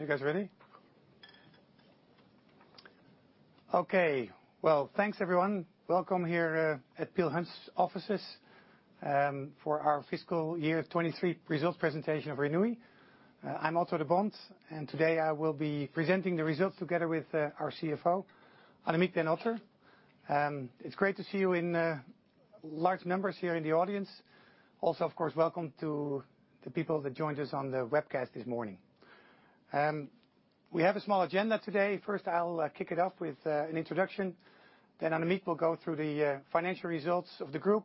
Are you guys ready? Okay. Thanks, everyone. Welcome here at Peel Hunt's offices for our FY 2023 results presentation of Renewi. I'm Otto de Bont. Today I will be presenting the results together with our CFO, Annemieke den Otter. It's great to see you in large numbers here in the audience. Of course, welcome to the people that joined us on the webcast this morning. We have a small agenda today. First, I'll kick it off with an introduction, then Annemieke will go through the financial results of the group,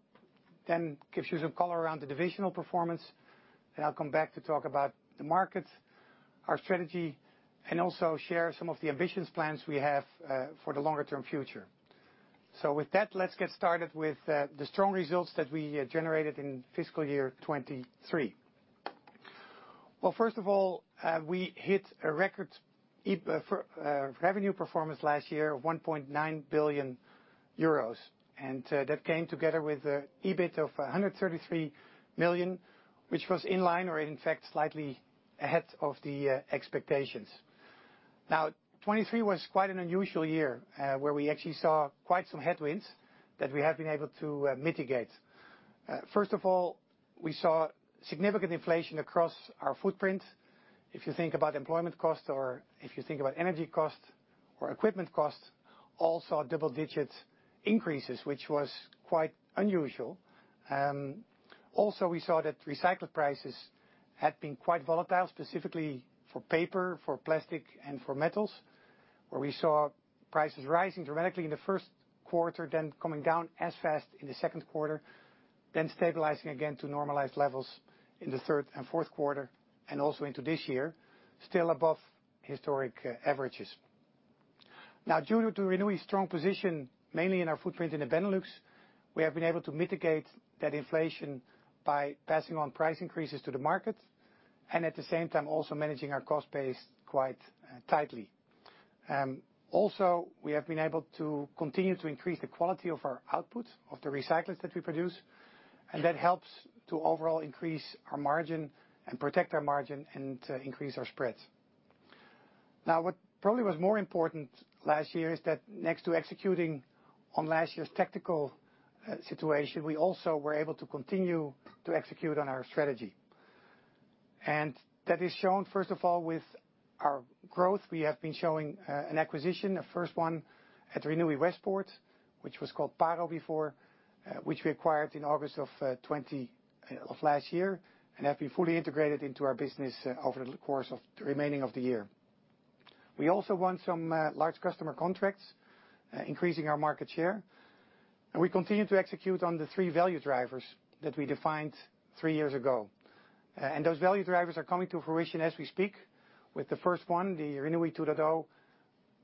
then gives you some color around the divisional performance. I'll come back to talk about the market, our strategy, and also share some of the ambitious plans we have for the longer-term future. With that, let's get started with the strong results that we generated in FY 2023. First of all, we hit a record revenue performance last year of 1.9 billion euros, and that came together with a EBIT of 133 million, which was in line or, in fact, slightly ahead of the expectations. 2023 was quite an unusual year, where we actually saw quite some headwinds that we have been able to mitigate. First of all, we saw significant inflation across our footprint. If you think about employment costs or if you think about energy costs or equipment costs, all saw double-digit increases, which was quite unusual. Also, we saw that recycled prices had been quite volatile, specifically for paper, for plastic, and for metals, where we saw prices rising dramatically in the first quarter, then coming down as fast in the second quarter, then stabilizing again to normalized levels in the third and fourth quarter, and also into this year, still above historic averages. Now, due to Renewi's strong position, mainly in our footprint in the Benelux, we have been able to mitigate that inflation by passing on price increases to the market and, at the same time, also managing our cost base quite tightly. Also, we have been able to continue to increase the quality of our output of the recyclers that we produce, and that helps to overall increase our margin and protect our margin and to increase our spreads. What probably was more important last year is that next to executing on last year's tactical situation, we also were able to continue to execute on our strategy. That is shown, first of all, with our growth. We have been showing an acquisition, the first one, at Renewi Westpoort, which was called PARO before, which we acquired in August of last year, and have been fully integrated into our business over the course of the remaining of the year. We also won some large customer contracts increasing our market share, and we continued to execute on the three value drivers that we defined three years ago. Those value drivers are coming to fruition as we speak, with the first one, the Renewi 2.0,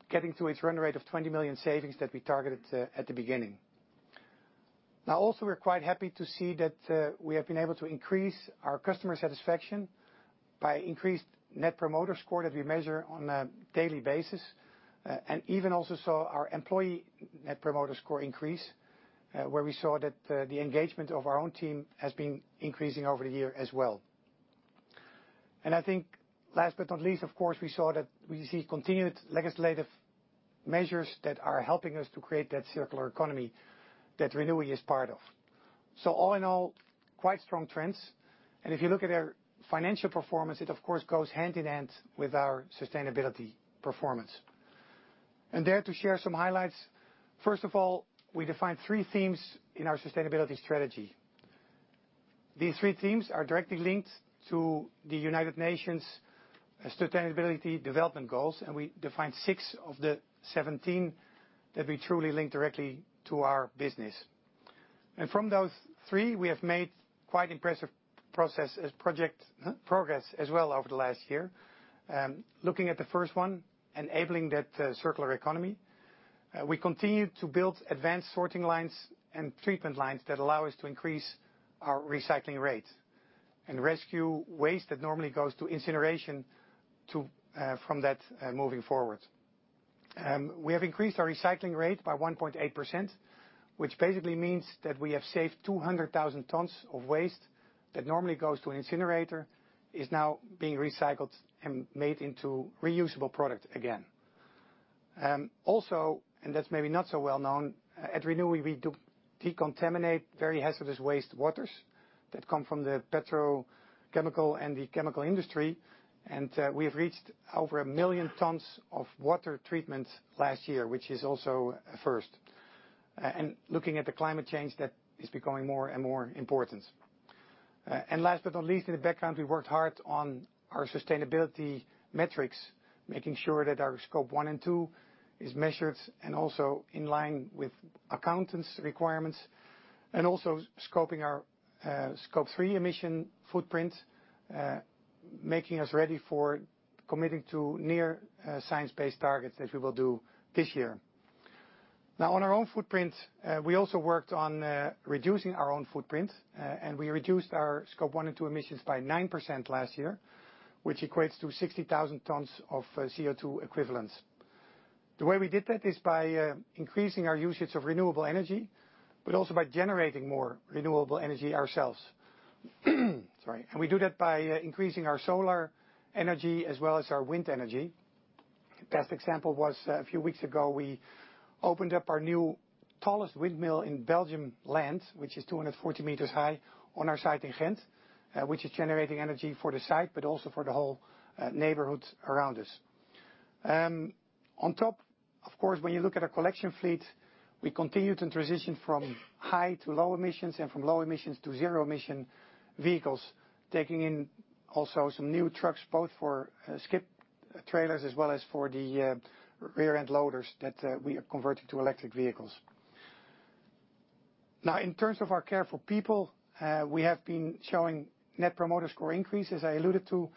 getting to its run rate of 20 million savings that we targeted at the beginning. Also, we're quite happy to see that we have been able to increase our customer satisfaction by increased Net Promoter Score that we measure on a daily basis, and even also saw our employee Net Promoter Score increase, where we saw that the engagement of our own team has been increasing over the year as well. I think, last but not least, of course, we saw that we see continued legislative measures that are helping us to create that circular economy that Renewi is part of. All in all, quite strong trends. If you look at our financial performance, it of course goes hand in hand with our sustainability performance. There, to share some highlights, first of all, we defined three themes in our sustainability strategy. These three themes are directly linked to the United Nations Sustainable Development Goals, and we defined six of the 17 that we truly link directly to our business. From those three, we have made quite impressive progress as well over the last year. Looking at the first one, enabling that circular economy, we continued to build advanced sorting lines and treatment lines that allow us to increase our recycling rate and rescue waste that normally goes to incineration from that moving forward. We have increased our recycling rate by 1.8%, which basically means that we have saved 200,000 tons of waste that normally goes to an incinerator, is now being recycled and made into reusable product again. Also, and that's maybe not so well known, at Renewi, we do decontaminate very hazardous waste waters that come from the petrochemical and the chemical industry, and we have reached over 1 million tons of water treatment last year, which is also a first. Looking at the climate change, that is becoming more and more important. Last but not least, in the background, we worked hard on our sustainability metrics, making sure that our Scope 1 and 2 is measured and also in line with accountants' requirements, and also scoping our Scope 3 emission footprint, making us ready for committing to near Science Based Targets, as we will do this year. On our own footprint, we also worked on reducing our own footprint, and we reduced our Scope 1 and 2 emissions by 9% last year, which equates to 60,000 tons of CO2 equivalents. The way we did that is by increasing our usage of renewable energy, but also by generating more renewable energy ourselves. Sorry. We do that by increasing our solar energy as well as our wind energy. Best example was, a few weeks ago, we opened up our new tallest windmill in Belgium land, which is 240 meters high, on our site in Ghent. Which is generating energy for the site, but also for the whole neighborhood around us. On top, of course, when you look at our collection fleet, we continued to transition from high to low emissions and from low emissions to zero emission vehicles, taking in also some new trucks, both for skip trailers as well as for the rear-end loaders that we have converted to electric vehicles. Now, in terms of our care for people, we have been showing Net Promoter Score increase, as I alluded to,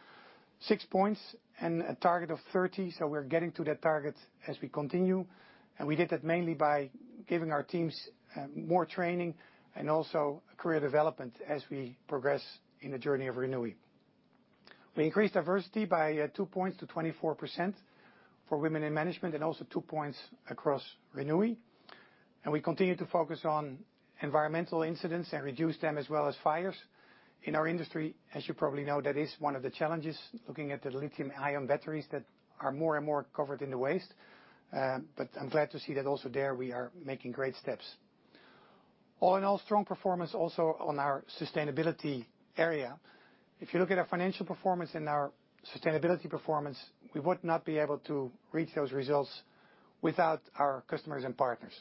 6 points and a target of 30. We're getting to that target as we continue. We did that mainly by giving our teams more training and also career development as we progress in the journey of Renewi. We increased diversity by 2 points to 24% for women in management, and also 2 points across Renewi. We continue to focus on environmental incidents and reduce them as well as fires. In our industry, as you probably know, that is one of the challenges, looking at the lithium-ion batteries that are more and more covered in the waste. I'm glad to see that also there we are making great steps. All in all, strong performance also on our sustainability area. If you look at our financial performance and our sustainability performance, we would not be able to reach those results without our customers and partners.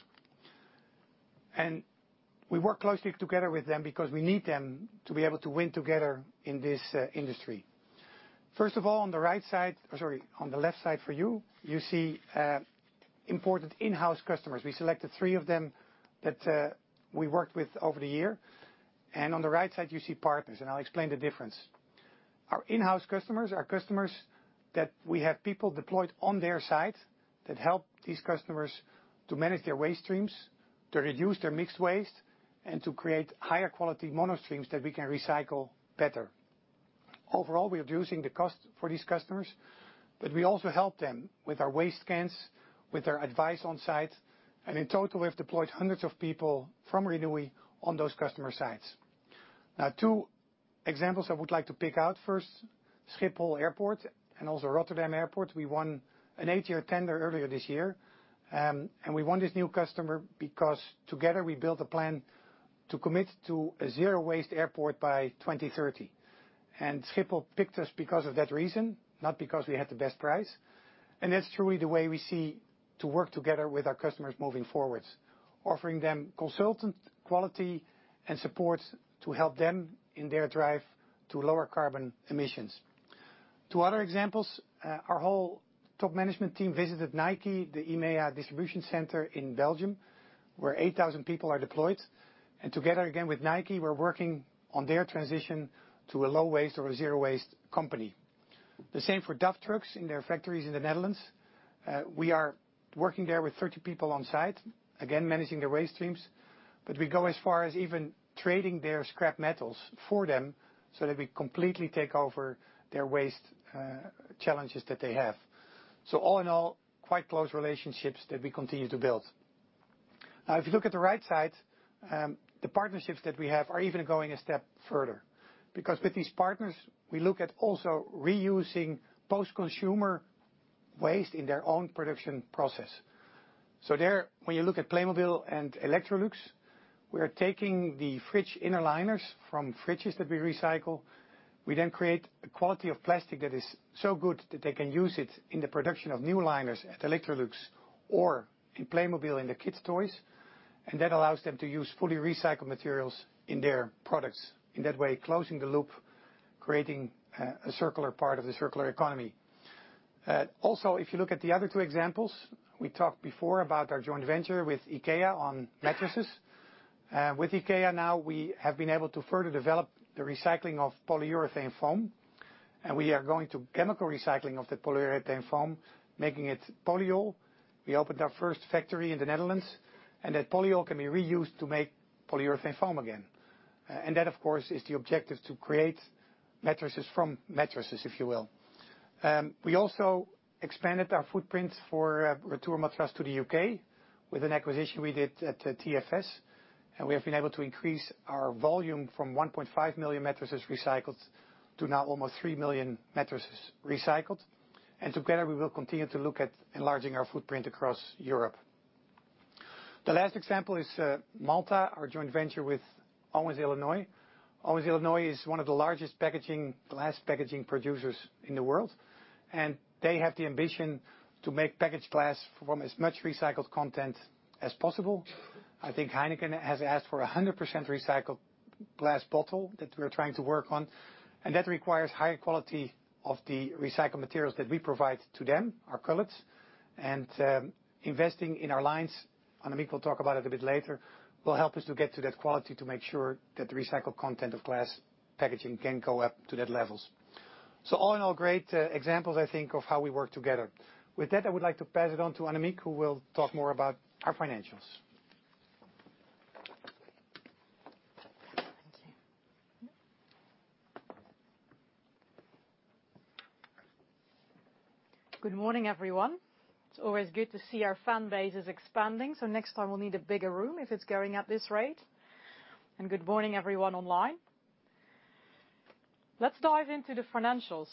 We work closely together with them because we need them to be able to win together in this industry. On the left side for you see important in-house customers. We selected three of them that we worked with over the year. On the right side, you see partners. I'll explain the difference. Our in-house customers are customers that we have people deployed on their site, that help these customers to manage their waste streams, to reduce their mixed waste, and to create higher quality mono streams that we can recycle better. Overall, we are reducing the cost for these customers. We also help them with our waste scans, with our advice on site. In total, we have deployed hundreds of people from Renewi on those customer sites. Two examples I would like to pick out. First, Schiphol Airport and also Rotterdam Airport. We won an eight-year tender earlier this year, and we won this new customer because together, we built a plan to commit to a zero waste airport by 2030. Schiphol picked us because of that reason, not because we had the best price. That's truly the way we see to work together with our customers moving forward, offering them consultant quality and support to help them in their drive to lower carbon emissions. Two other examples, our whole top management team visited Nike, the EMEA Distribution Center in Belgium, where 8,000 people are deployed. Together, again with Nike, we're working on their transition to a low waste or a zero waste company. The same for DAF Trucks in their factories in the Netherlands. We are working there with 30 people on site, again, managing their waste streams, but we go as far as even trading their scrap metals for them so that we completely take over their waste challenges that they have. All in all, quite close relationships that we continue to build. If you look at the right side, the partnerships that we have are even going a step further, because with these partners, we look at also reusing post-consumer waste in their own production process. There, when you look at Playmobil and Electrolux, we are taking the fridge inner liners from fridges that we recycle. We create a quality of plastic that is so good that they can use it in the production of new liners at Electrolux or in Playmobil in the kids' toys, and that allows them to use fully recycled materials in their products, in that way, closing the loop, creating a circular part of the circular economy. Also, if you look at the other two examples, we talked before about our joint venture with IKEA on mattresses. With IKEA now, we have been able to further develop the recycling of polyurethane foam, and we are going to chemical recycling of the polyurethane foam, making it polyol. We opened our first factory in the Netherlands, and that polyol can be reused to make polyurethane foam again. And that, of course, is the objective, to create mattresses from mattresses, if you will. We also expanded our footprint for RetourMatras to the U.K. with an acquisition we did at TFS. We have been able to increase our volume from 1.5 million mattresses recycled to now almost 3 million mattresses recycled. Together, we will continue to look at enlarging our footprint across Europe. The last example is Maltha, our joint venture with Owens-Illinois. Owens-Illinois is one of the largest packaging, glass packaging producers in the world, and they have the ambition to make package glass from as much recycled content as possible. I think Heineken has asked for a 100% recycled glass bottle that we are trying to work on, and that requires high quality of the recycled materials that we provide to them, our cullets. Investing in our lines, and Annemieke will talk about it a bit later, will help us to get to that quality, to make sure that the recycled content of glass packaging can go up to that levels. All in all, great examples, I think, of how we work together. With that, I would like to pass it on to Annemieke, who will talk more about our financials. Good morning, everyone. It's always good to see our fan base is expanding, so next time we'll need a bigger room if it's growing at this rate. Good morning, everyone online. Let's dive into the financials.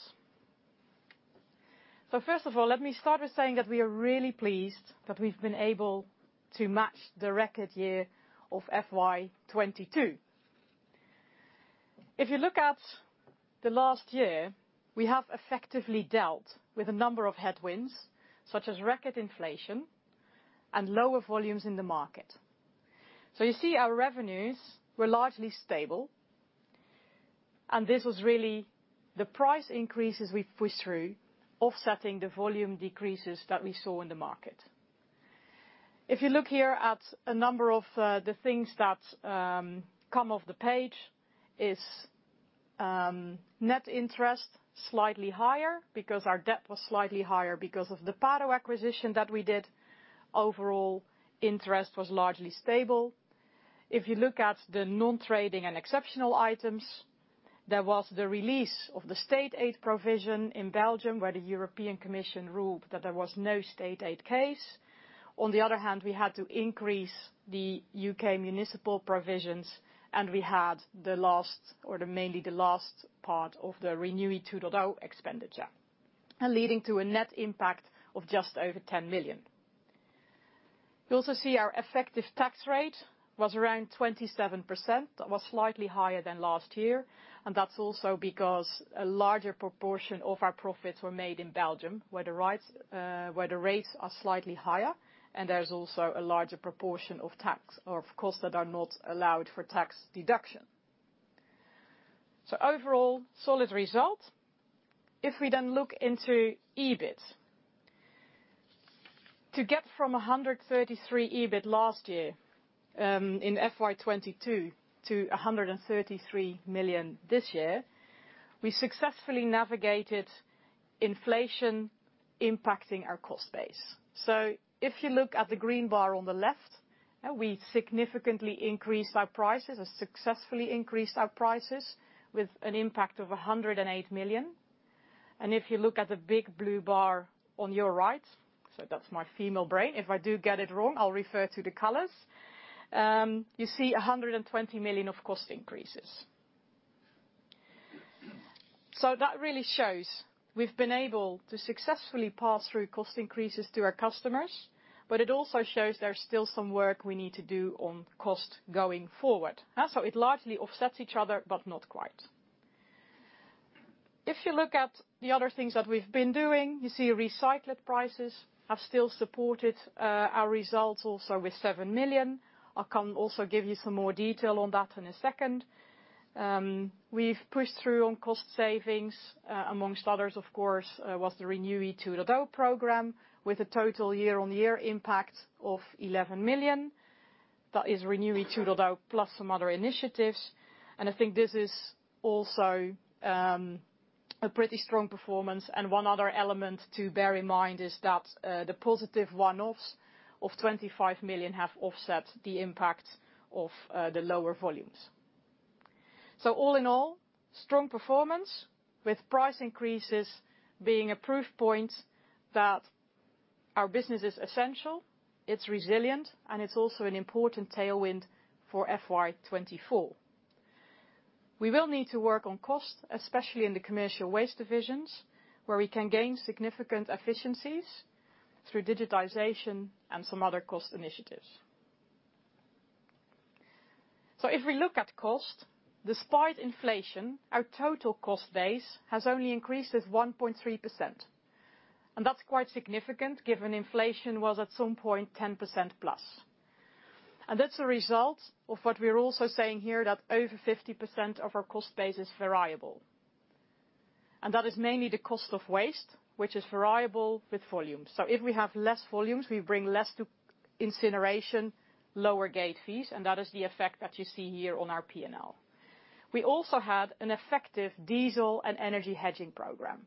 First of all, let me start with saying that we are really pleased that we've been able to match the record year of FY 2022. If you look at the last year, we have effectively dealt with a number of headwinds, such as record inflation and lower volumes in the market. You see our revenues were largely stable, and this was really the price increases we pushed through, offsetting the volume decreases that we saw in the market. If you look here at a number of, the things that, come off the page, is, net interest slightly higher because our debt was slightly higher because of the PARO acquisition that we did. Overall, interest was largely stable. If you look at the non-trading and exceptional items, there was the release of the state aid provision in Belgium, where the European Commission ruled that there was no state aid case. On the other hand, we had to increase the U.K. Municipal provisions, and we had the last, or the mainly the last part of the Renewi 2.0 expenditure, leading to a net impact of just over 10 million. You also see our effective tax rate was around 27%. That was slightly higher than last year, that's also because a larger proportion of our profits were made in Belgium, where the rates are slightly higher, there's also a larger proportion of tax or of costs that are not allowed for tax deduction. Overall, solid result. We then look into EBIT. To get from 133 EBIT last year, in FY 2022, to 133 million this year, we successfully navigated inflation impacting our cost base. If you look at the green bar on the left, we significantly increased our prices and successfully increased our prices with an impact of 108 million. If you look at the big blue bar on your right, that's my female brain, if I do get it wrong, I'll refer to the colors. You see 120 million of cost increases. That really shows we've been able to successfully pass through cost increases to our customers, but it also shows there's still some work we need to do on cost going forward, huh? It largely offsets each other, but not quite. If you look at the other things that we've been doing, you see recycled prices have still supported our results also with 7 million. I can also give you some more detail on that in a second. We've pushed through on cost savings amongst others, of course, was the Renewi 2.0 program, with a total year-on-year impact of 11 million. That is Renewi 2.0+ some other initiatives, and I think this is also a pretty strong performance. One other element to bear in mind is that the positive one-offs of 25 million have offset the impact of the lower volumes. All in all, strong performance, with price increases being a proof point that our business is essential, it's resilient, and it's also an important tailwind for FY 2024. We will need to work on cost, especially in the Commercial Waste divisions, where we can gain significant efficiencies through digitization and some other cost initiatives. If we look at cost, despite inflation, our total cost base has only increased with 1.3%, and that's quite significant given inflation was at some point 10%+. That's a result of what we're also saying here, that over 50% of our cost base is variable. That is mainly the cost of waste, which is variable with volume. If we have less volumes, we bring less to incineration, lower gate fees, and that is the effect that you see here on our P&L. We also had an effective diesel and energy hedging program.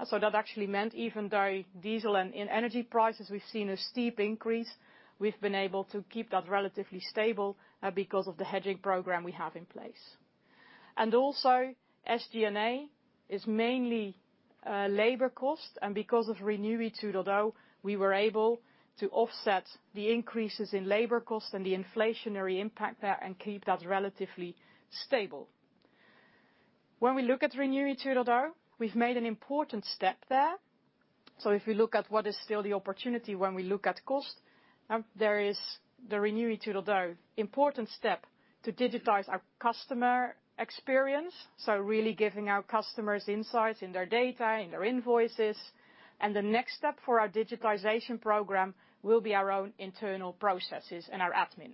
That actually meant even though diesel and energy prices, we've seen a steep increase, we've been able to keep that relatively stable because of the hedging program we have in place. Also, SG&A is mainly labor cost, and because of Renewi 2.0, we were able to offset the increases in labor cost and the inflationary impact there and keep that relatively stable. When we look at Renewi 2.0, we've made an important step there. If you look at what is still the opportunity when we look at cost, there is the Renewi 2.0, important step to digitize our customer experience, so really giving our customers insights in their data, in their invoices. The next step for our digitization program will be our own internal processes and our admin,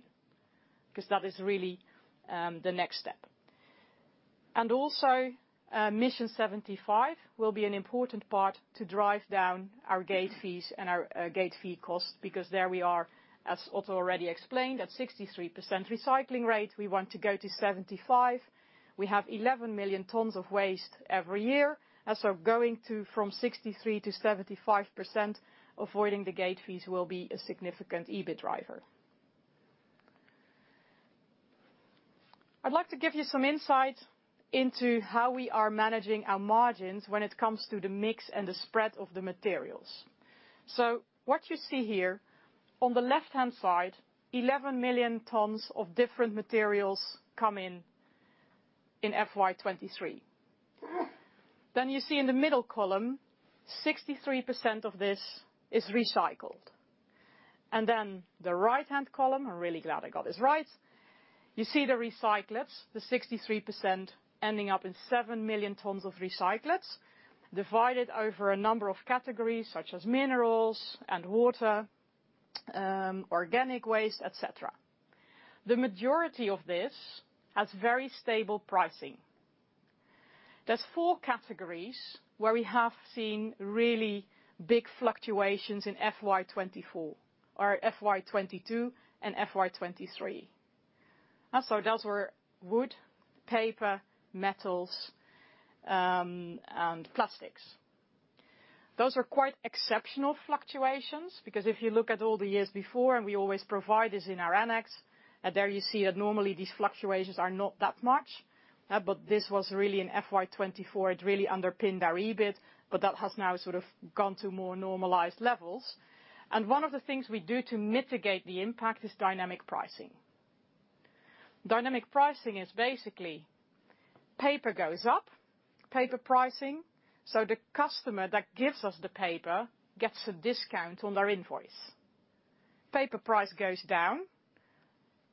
because that is really, the next step. Also, Mission 75% will be an important part to drive down our gate fees and our, gate fee costs, because there we are, as Otto already explained, at 63% recycling rate. We want to go to 75%. We have 11 million tons of waste every year, so going to from 63%-75%, avoiding the gate fees will be a significant EBIT driver. I'd like to give you some insight into how we are managing our margins when it comes to the mix and the spread of the materials. What you see here, on the left-hand side, 11 million tons of different materials come in in FY 2023. You see in the middle column, 63% of this is recycled. The right-hand column, I'm really glad I got this right, you see the recyclates, the 63% ending up in 7 million tons of recyclates, divided over a number of categories, such as Mineralz & Water, organic waste, et cetera. The majority of this has very stable pricing. There's four categories where we have seen really big fluctuations in FY 2024 or FY 2022 and FY 2023. Those were wood, paper, metals, and plastics. Those are quite exceptional fluctuations, because if you look at all the years before, we always provide this in our annex, there you see that normally these fluctuations are not that much, but this was really in FY 2024, it really underpinned our EBIT, but that has now sort of gone to more normalized levels. One of the things we do to mitigate the impact is dynamic pricing. Dynamic pricing is basically, paper goes up, paper pricing, so the customer that gives us the paper gets a discount on their invoice. Paper price goes down,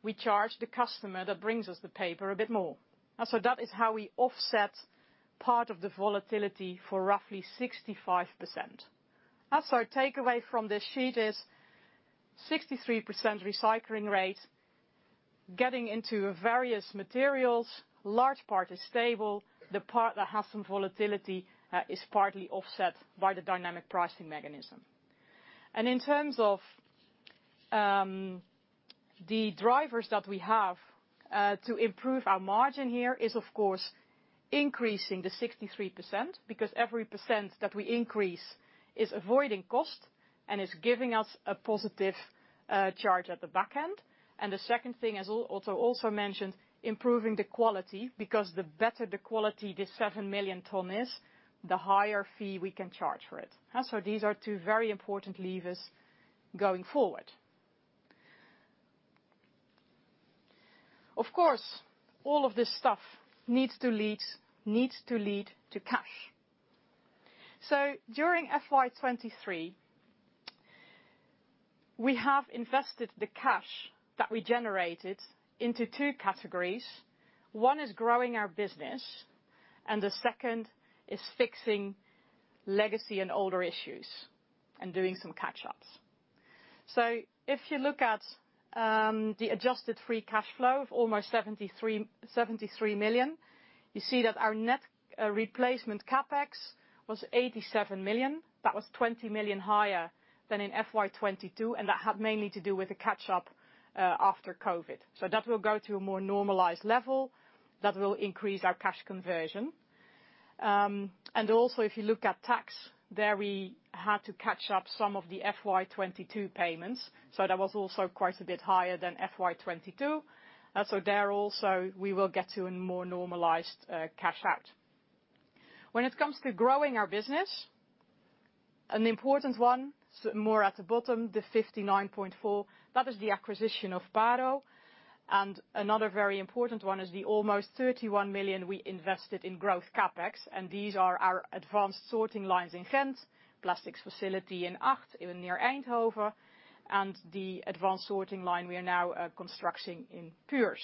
we charge the customer that brings us the paper a bit more. That is how we offset part of the volatility for roughly 65%. Also, takeaway from this sheet is 63% recycling rate, getting into various materials, large part is stable, the part that has some volatility, is partly offset by the dynamic pricing mechanism. In terms of the drivers that we have, to improve our margin here is, of course, increasing the 63%, because every percent that we increase is avoiding cost and is giving us a positive charge at the back end. The second thing, as Otto also mentioned, improving the quality, because the better the quality this 7 million tons is, the higher fee we can charge for it. These are two very important levers going forward. Of course, all of this stuff needs to lead to cash. During FY 2023, we have invested the cash that we generated into two categories. One is growing our business, and the second is fixing legacy and older issues and doing some catch-ups. If you look at the adjusted free cash flow of almost 73 million, you see that our net replacement CapEx was 87 million. That was 20 million higher than in FY 2022, and that had mainly to do with the catch-up after COVID. That will go to a more normalized level, that will increase our cash conversion. If you look at tax, there we had to catch up some of the FY 2022 payments, that was also quite a bit higher than FY 2022. There also, we will get to a more normalized cash out. When it comes to growing our business, an important one, more at the bottom, the 59.4, that is the acquisition of PARO. Another very important one is the almost 31 million we invested in growth CapEx, and these are our advanced sorting lines in Ghent, plastics facility in Acht, near Eindhoven, and the advanced sorting line we are now constructing in Puurs.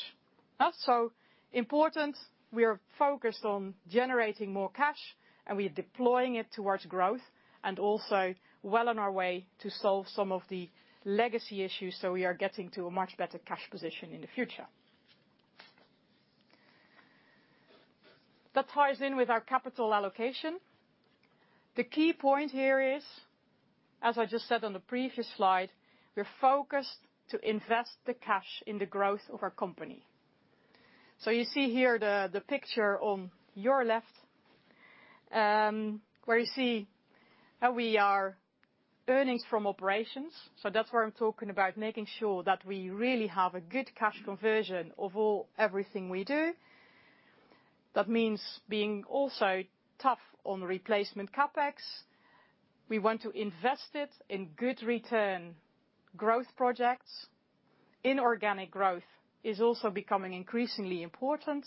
Important, we are focused on generating more cash, and we are deploying it towards growth, and also well on our way to solve some of the legacy issues, so we are getting to a much better cash position in the future. That ties in with our capital allocation. The key point here is, as I just said on the previous slide, we're focused to invest the cash in the growth of our company. You see here the picture on your left, where you see how we are earnings from operations. That's where I'm talking about making sure that we really have a good cash conversion of all, everything we do. That means being also tough on replacement CapEx. We want to invest it in good return growth projects. Inorganic growth is also becoming increasingly important.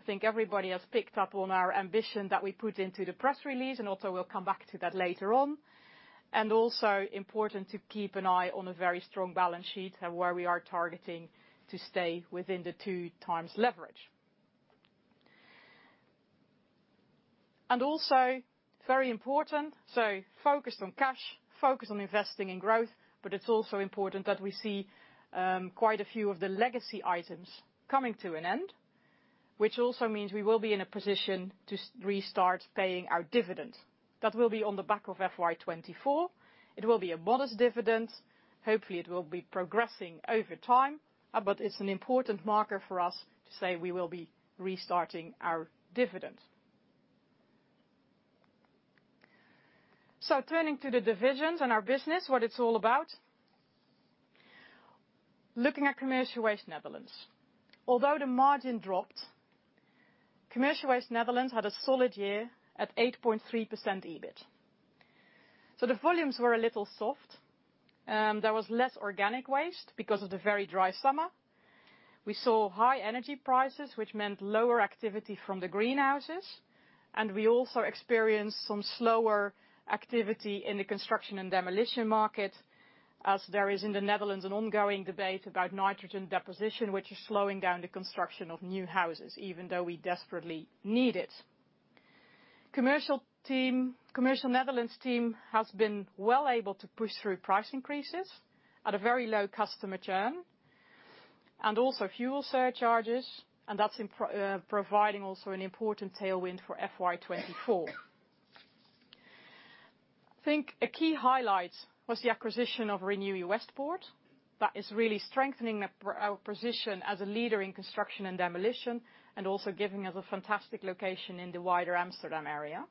I think everybody has picked up on our ambition that we put into the press release, and also we'll come back to that later on. Important to keep an eye on a very strong balance sheet and where we are targeting to stay within the 2x leverage. Very important, so focused on cash, focused on investing in growth, but it's also important that we see quite a few of the legacy items coming to an end, which also means we will be in a position to restart paying our dividend. That will be on the back of FY 2024. It will be a bonus dividend. Hopefully, it will be progressing over time, but it's an important marker for us to say we will be restarting our dividend. Turning to the divisions and our business, what it's all about. Looking at Commercial Waste Netherlands. Although the margin dropped, Commercial Waste Netherlands had a solid year at 8.3% EBIT. The volumes were a little soft, there was less organic waste because of the very dry summer. We saw high energy prices, which meant lower activity from the greenhouses, and we also experienced some slower activity in the construction and demolition market, as there is in the Netherlands, an ongoing debate about nitrogen deposition, which is slowing down the construction of new houses, even though we desperately need it. Commercial team, Commercial Netherlands team has been well able to push through price increases at a very low customer churn, and also fuel surcharges, and that's providing also an important tailwind for FY 2024. I think a key highlight was the acquisition of Renewi Westpoort. That is really strengthening up our position as a leader in construction and demolition, and also giving us a fantastic location in the wider Amsterdam area.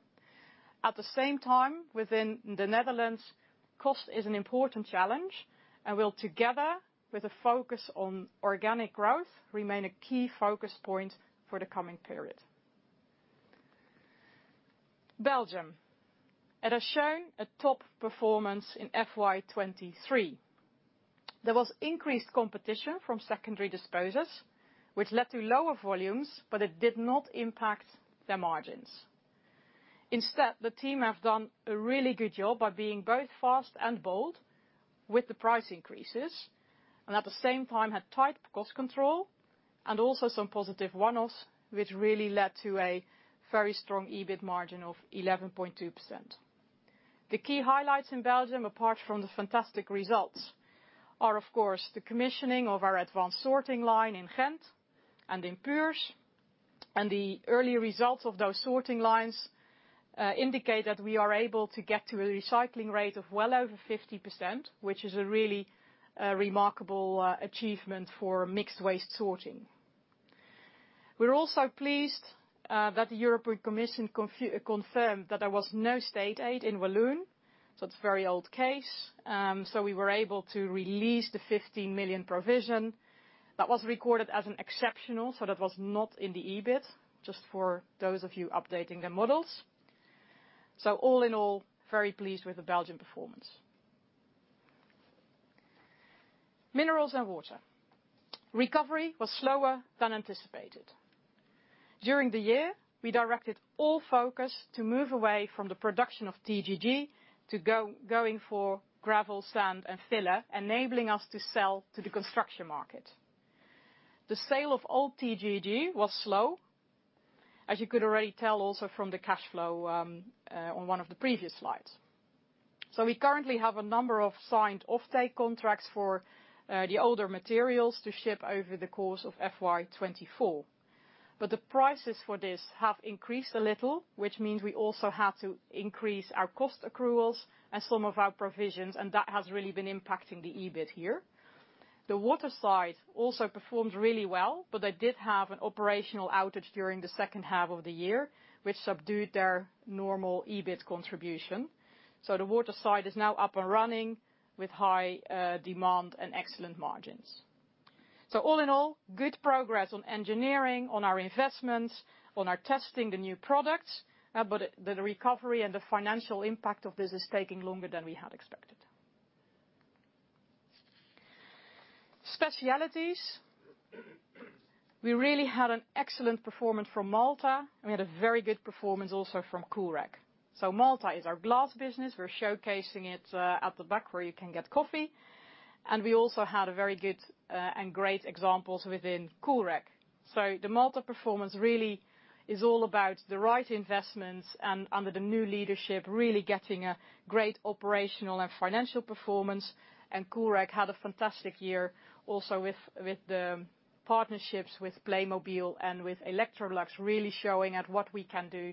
At the same time, within the Netherlands, cost is an important challenge, and will together, with a focus on organic growth, remain a key focus point for the coming period. Belgium. It has shown a top performance in FY 2023. There was increased competition from secondary disposers, which led to lower volumes, but it did not impact their margins. Instead, the team have done a really good job by being both fast and bold with the price increases, at the same time had tight cost control and also some positive one-offs, which really led to a very strong EBIT margin of 11.2%. The key highlights in Belgium, apart from the fantastic results, are, of course, the commissioning of our advanced sorting line in Ghent and in Puurs, the early results of those sorting lines indicate that we are able to get to a recycling rate of well over 50%, which is a really remarkable achievement for mixed waste sorting. We're also pleased that the European Commission confirmed that there was no state aid in Walloon. It's a very old case. We were able to release the 15 million provision. That was recorded as an exceptional, that was not in the EBIT, just for those of you updating the models. All in all, very pleased with the Belgium performance. Mineralz & Water. Recovery was slower than anticipated. During the year, we directed all focus to move away from the production of TGG going for gravel, sand, and filler, enabling us to sell to the construction market. The sale of all TGG was slow, as you could already tell also from the cash flow on one of the previous slides. We currently have a number of signed offtake contracts for the older materials to ship over the course of FY 2024. The prices for this have increased a little, which means we also had to increase our cost accruals and some of our provisions, and that has really been impacting the EBIT here. The water side also performed really well, but they did have an operational outage during the second half of the year, which subdued their normal EBIT contribution. The water side is now up and running with high demand and excellent margins. All in all, good progress on engineering, on our investments, on our testing the new products, but the recovery and the financial impact of this is taking longer than we had expected. Specialities. We really had an excellent performance from Maltha, and we had a very good performance also from Coolrec. Maltha is our glass business. We're showcasing it at the back, where you can get coffee, we also had a very good and great examples within Coolrec. The Maltha performance really is all about the right investments and under the new leadership, really getting a great operational and financial performance. Coolrec had a fantastic year also with the partnerships with Playmobil and with Electrolux, really showing at what we can do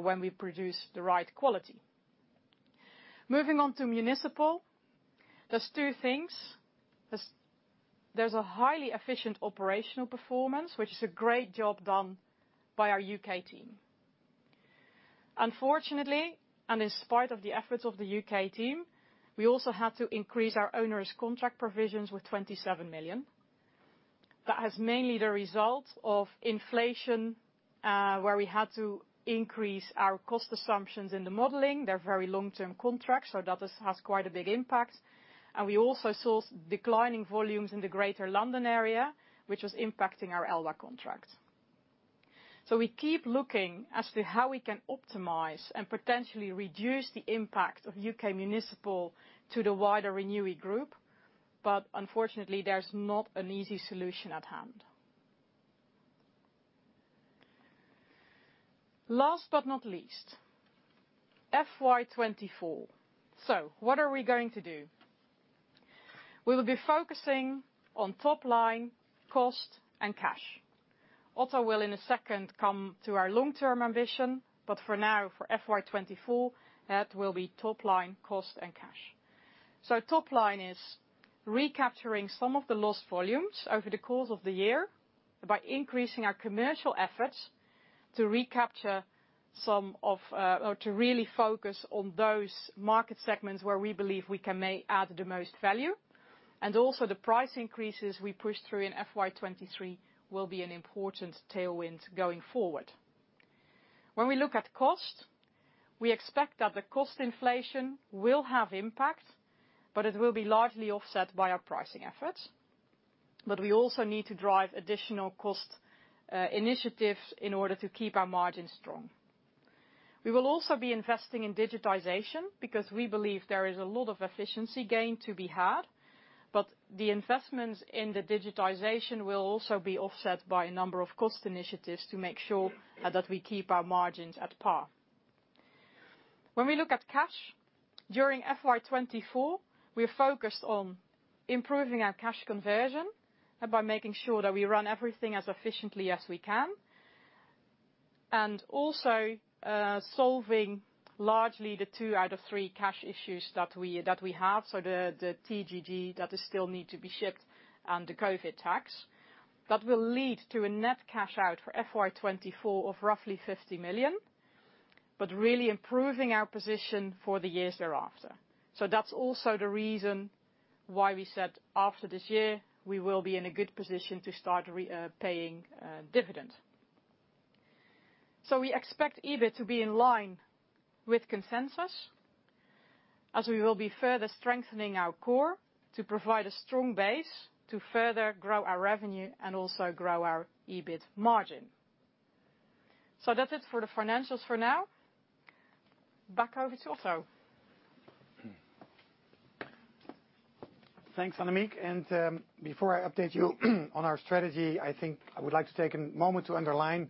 when we produce the right quality. Moving on to Municipal, there's two things. There's a highly efficient operational performance, which is a great job done by our U.K. team. Unfortunately, in spite of the efforts of the U.K. team, we also had to increase our owner's contract provisions with 27 million. That is mainly the result of inflation, where we had to increase our cost assumptions in the modeling. They're very long-term contracts, that has quite a big impact. We also saw declining volumes in the East London area, which was impacting our ELWA contract. We keep looking as to how we can optimize and potentially reduce the impact of U.K. Municipal to the wider Renewi group, but unfortunately, there's not an easy solution at hand. Last but not least, FY 2024. What are we going to do? We will be focusing on top line, cost, and cash. Otto will, in a second, come to our long-term ambition, but for now, for FY 2024, that will be top line, cost, and cash. Top line is recapturing some of the lost volumes over the course of the year by increasing our commercial efforts to recapture some of, or to really focus on those market segments where we believe we can make, add the most value. Also, the price increases we pushed through in FY 2023 will be an important tailwind going forward. We look at cost, we expect that the cost inflation will have impact, but it will be largely offset by our pricing efforts. We also need to drive additional cost initiatives in order to keep our margins strong. We will also be investing in digitization, because we believe there is a lot of efficiency gain to be had, but the investments in the digitization will also be offset by a number of cost initiatives to make sure that we keep our margins at par. When we look at cash, during FY 2024, we are focused on improving our cash conversion by making sure that we run everything as efficiently as we can, and also, solving largely the two out of three cash issues that we have, so the TGG that is still need to be shipped and the COVID tax. That will lead to a net cash out for FY 2024 of roughly 50 million, but really improving our position for the years thereafter. That's also the reason why we said after this year, we will be in a good position to start repaying dividend. We expect EBIT to be in line with consensus, as we will be further strengthening our core to provide a strong base to further grow our revenue and also grow our EBIT margin. That's it for the financials for now. Back over to Otto. Thanks, Annemieke. Before I update you on our strategy, I think I would like to take a moment to underline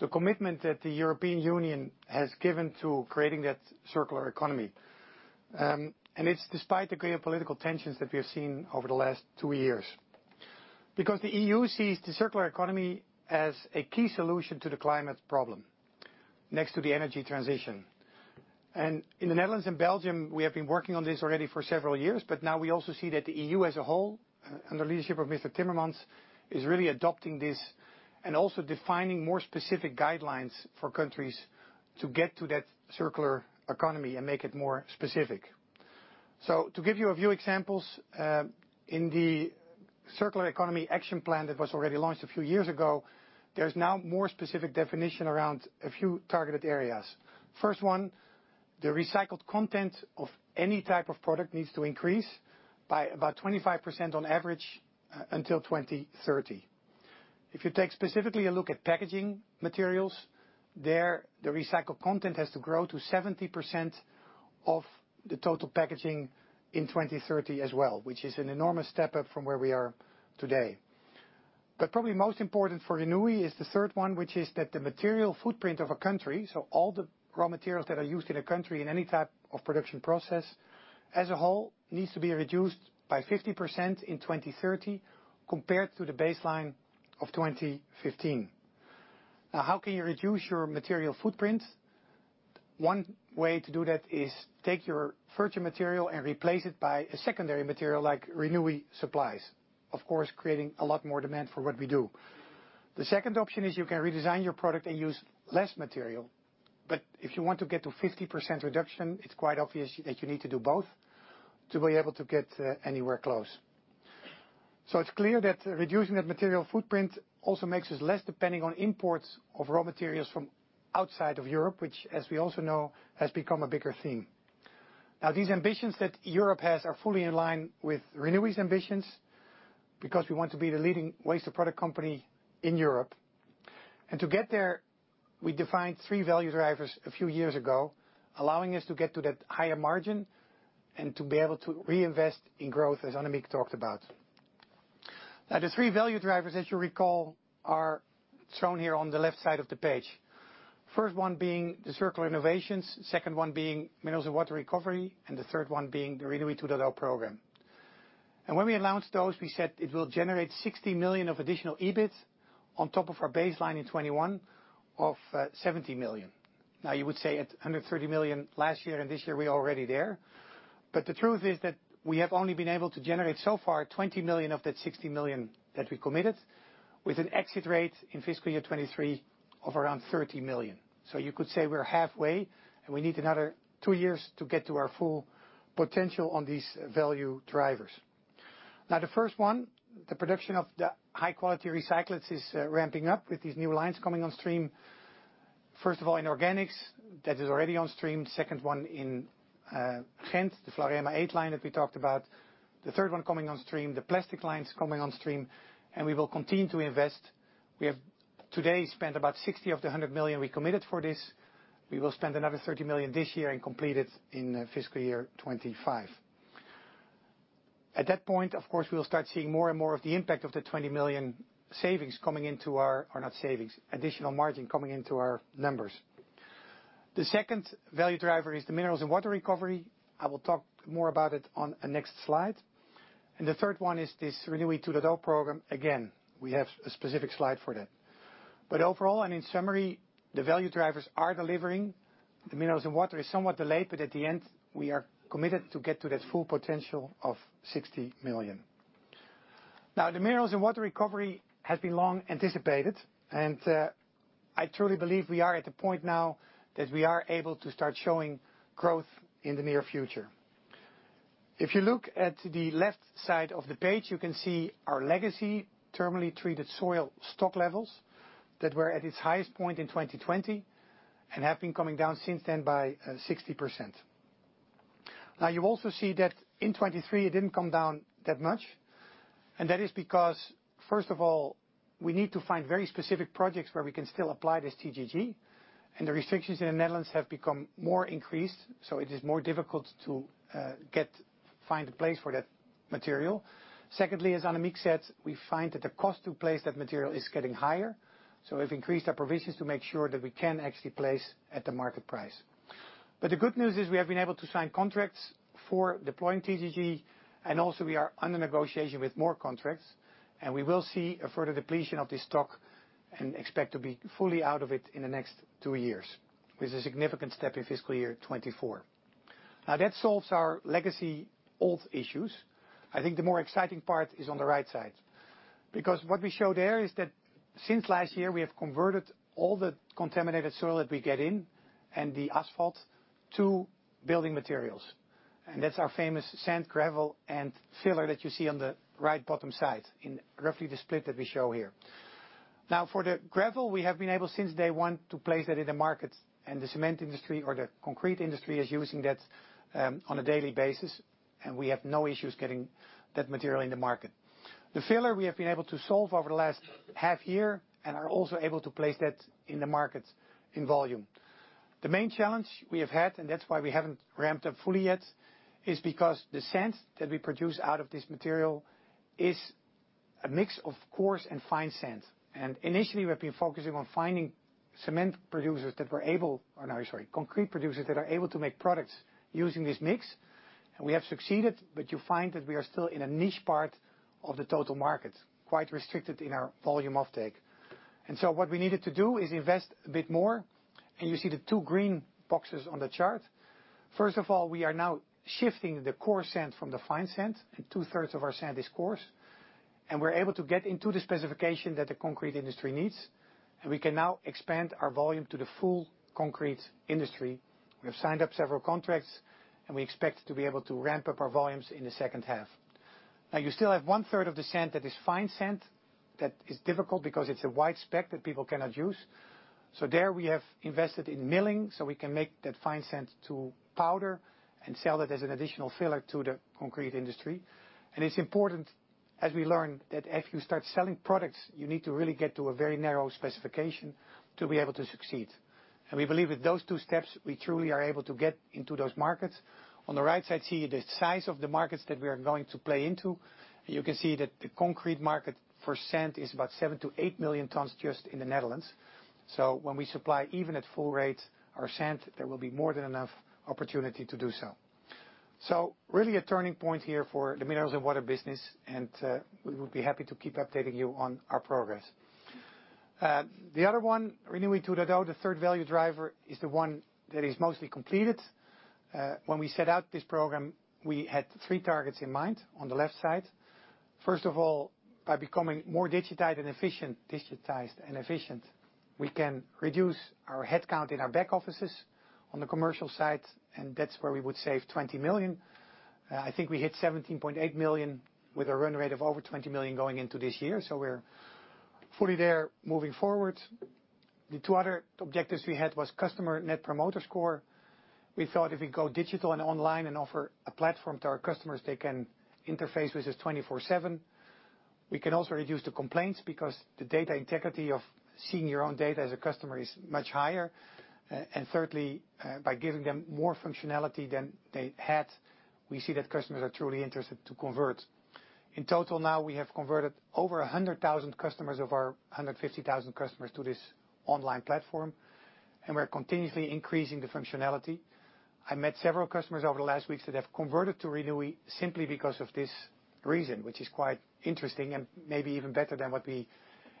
the commitment that the European Union has given to creating that circular economy. It's despite the great political tensions that we have seen over the last two years. The EU sees the circular economy as a key solution to the climate problem next to the energy transition. In the Netherlands and Belgium, we have been working on this already for several years, but now we also see that the EU as a whole, under the leadership of Frans Timmermans, is really adopting this and also defining more specific guidelines for countries to get to that circular economy and make it more specific. To give you a few examples, in the Circular Economy Action Plan that was already launched a few years ago, there's now more specific definition around a few targeted areas. First one, the recycled content of any type of product needs to increase by about 25% on average until 2030. If you take specifically a look at packaging materials, there, the recycled content has to grow to 70% of the total packaging in 2030 as well, which is an enormous step up from where we are today. Probably most important for Renewi is the third one, which is that the material footprint of a country, so all the raw materials that are used in a country in any type of production process, as a whole, needs to be reduced by 50% in 2030 compared to the baseline of 2015. How can you reduce your material footprint? One way to do that is take your virgin material and replace it by a secondary material, like Renewi supplies. Creating a lot more demand for what we do. The second option is you can redesign your product and use less material, but if you want to get to 50% reduction, it's quite obvious that you need to do both to be able to get anywhere close. It's clear that reducing that material footprint also makes us less depending on imports of raw materials from outside of Europe, which, as we also know, has become a bigger theme. These ambitions that Europe has are fully in line with Renewi's ambitions, because we want to be the leading waste to product company in Europe. To get there, we defined three value drivers a few years ago, allowing us to get to that higher margin and to be able to reinvest in growth, as Annemieke talked about. The three value drivers, as you recall, are shown here on the left side of the page. First one being the circular innovations, second one being Mineralz & Water recovery, and the third one being the Renewi 2.0 program. When we announced those, we said it will generate 60 million of additional EBIT on top of our baseline in FY 2021 of 70 million. You would say at under 30 million last year and this year, we are already there. The truth is that we have only been able to generate so far 20 million of that 60 million that we committed, with an exit rate in fiscal year 2023 of around 30 million. You could say we're halfway, and we need another two years to get to our full potential on these value drivers. The first one, the production of the high-quality recyclates is ramping up with these new lines coming on stream. First of all, in organics, that is already on stream. Second one in Ghent, the Vlarema 8 line that we talked about. The third one coming on stream, the plastic lines coming on stream, and we will continue to invest. We have today spent about 60 of the 100 million we committed for this. We will spend another 30 million this year and complete it in fiscal year 2025. At that point, of course, we will start seeing more and more of the impact of the 20 million savings coming into our, or not savings, additional margin coming into our numbers. The second value driver is the Mineralz & Water recovery. I will talk more about it on a next slide. The third one is this Renewi 2.0 program. Again, we have a specific slide for that. Overall, and in summary, the value drivers are delivering. The Mineralz & Water is somewhat delayed, but at the end, we are committed to get to that full potential of 60 million. Now, the Mineralz & Water recovery has been long anticipated, and I truly believe we are at the point now that we are able to start showing growth in the near future. If you look at the left side of the page, you can see our legacy terminally treated soil stock levels that were at its highest point in 2020, and have been coming down since then by 60%. You also see that in 2023, it didn't come down that much, and that is because, first of all, we need to find very specific projects where we can still apply this TGG, and the restrictions in the Netherlands have become more increased, so it is more difficult to find a place for that material. Secondly, as Annemieke said, we find that the cost to place that material is getting higher, so we've increased our provisions to make sure that we can actually place at the market price. The good news is we have been able to sign contracts for deploying TGG, and also we are under negotiation with more contracts, and we will see a further depletion of this stock and expect to be fully out of it in the next two years, with a significant step in fiscal year 2024. That solves our legacy old issues. I think the more exciting part is on the right side, because what we show there is that since last year, we have converted all the contaminated soil that we get in and the asphalt to building materials. That's our famous sand, gravel, and filler that you see on the right bottom side in roughly the split that we show here. For the gravel, we have been able, since day one, to place that in the market, and the cement industry or the concrete industry is using that on a daily basis, and we have no issues getting that material in the market. The filler we have been able to solve over the last half year and are also able to place that in the market in volume. The main challenge we have had, and that's why we haven't ramped up fully yet, is because the sand that we produce out of this material is a mix of coarse and fine sand. Initially, we've been focusing on finding cement producers that were. Oh, no, sorry, concrete producers that are able to make products using this mix, and we have succeeded, but you find that we are still in a niche part of the total market, quite restricted in our volume offtake. What we needed to do is invest a bit more, and you see the two green boxes on the chart. We are now shifting the coarse sand from the fine sand, and two-thirds of our sand is coarse, and we're able to get into the specification that the concrete industry needs, and we can now expand our volume to the full concrete industry. We have signed up several contracts, and we expect to be able to ramp up our volumes in the second half. You still have one-third of the sand that is fine sand. That is difficult because it's a wide spec that people cannot use. There we have invested in milling, so we can make that fine sand to powder and sell it as an additional filler to the concrete industry. It's important, as we learned, that if you start selling products, you need to really get to a very narrow specification to be able to succeed. We believe with those two steps, we truly are able to get into those markets. On the right side, see the size of the markets that we are going to play into. You can see that the concrete market for sand is about 7-8 million tons just in the Netherlands. When we supply even at full rate our sand, there will be more than enough opportunity to do so. Really a turning point here for the Mineralz & Water business, and we would be happy to keep updating you on our progress. The other one, Renewi 2.0, the third value driver, is the one that is mostly completed. When we set out this program, we had three targets in mind on the left side. First of all, by becoming more digitized and efficient, we can reduce our headcount in our back offices on the commercial side, and that's where we would save 20 million. I think we hit 17.8 million with a run rate of over 20 million going into this year, so we're fully there moving forward. The two other objectives we had was customer Net Promoter Score. We thought if we go digital and online and offer a platform to our customers, they can interface with us 24/7. We can also reduce the complaints because the data integrity of seeing your own data as a customer is much higher. Thirdly, by giving them more functionality than they had, we see that customers are truly interested to convert. In total, now, we have converted over 100,000 customers of our 150,000 customers to this online platform, and we're continuously increasing the functionality. I met several customers over the last weeks that have converted to Renewi simply because of this reason, which is quite interesting and maybe even better than what we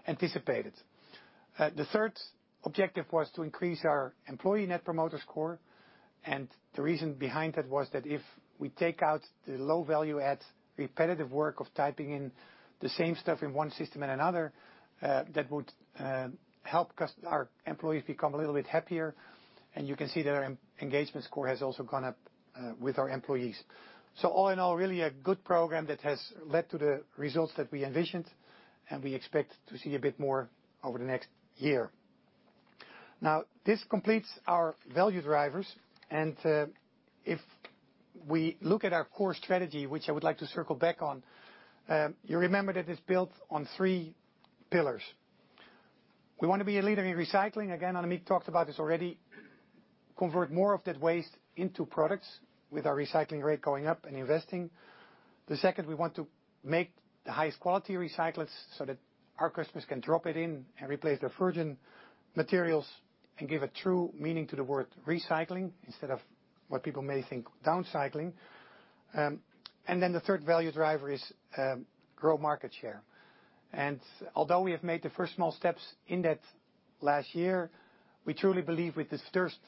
anticipated. The third objective was to increase our employee Net Promoter Score. The reason behind that was that if we take out the low-value add, repetitive work of typing in the same stuff in one system and another, that would help our employees become a little bit happier. You can see that our engagement score has also gone up with our employees. All in all, really a good program that has led to the results that we envisioned. We expect to see a bit more over the next year. This completes our value drivers. If we look at our core strategy, which I would like to circle back on, you remember that it's built on three pillars. We want to be a leader in recycling. Again, Annemieke talked about this already. Convert more of that waste into products with our recycling rate going up and investing. The second, we want to make the highest quality recyclates so that our customers can drop it in and replace their virgin materials. Give a true meaning to the word recycling, instead of what people may think, downcycling. The third value driver is grow market share. Although we have made the first small steps in that last year, we truly believe with these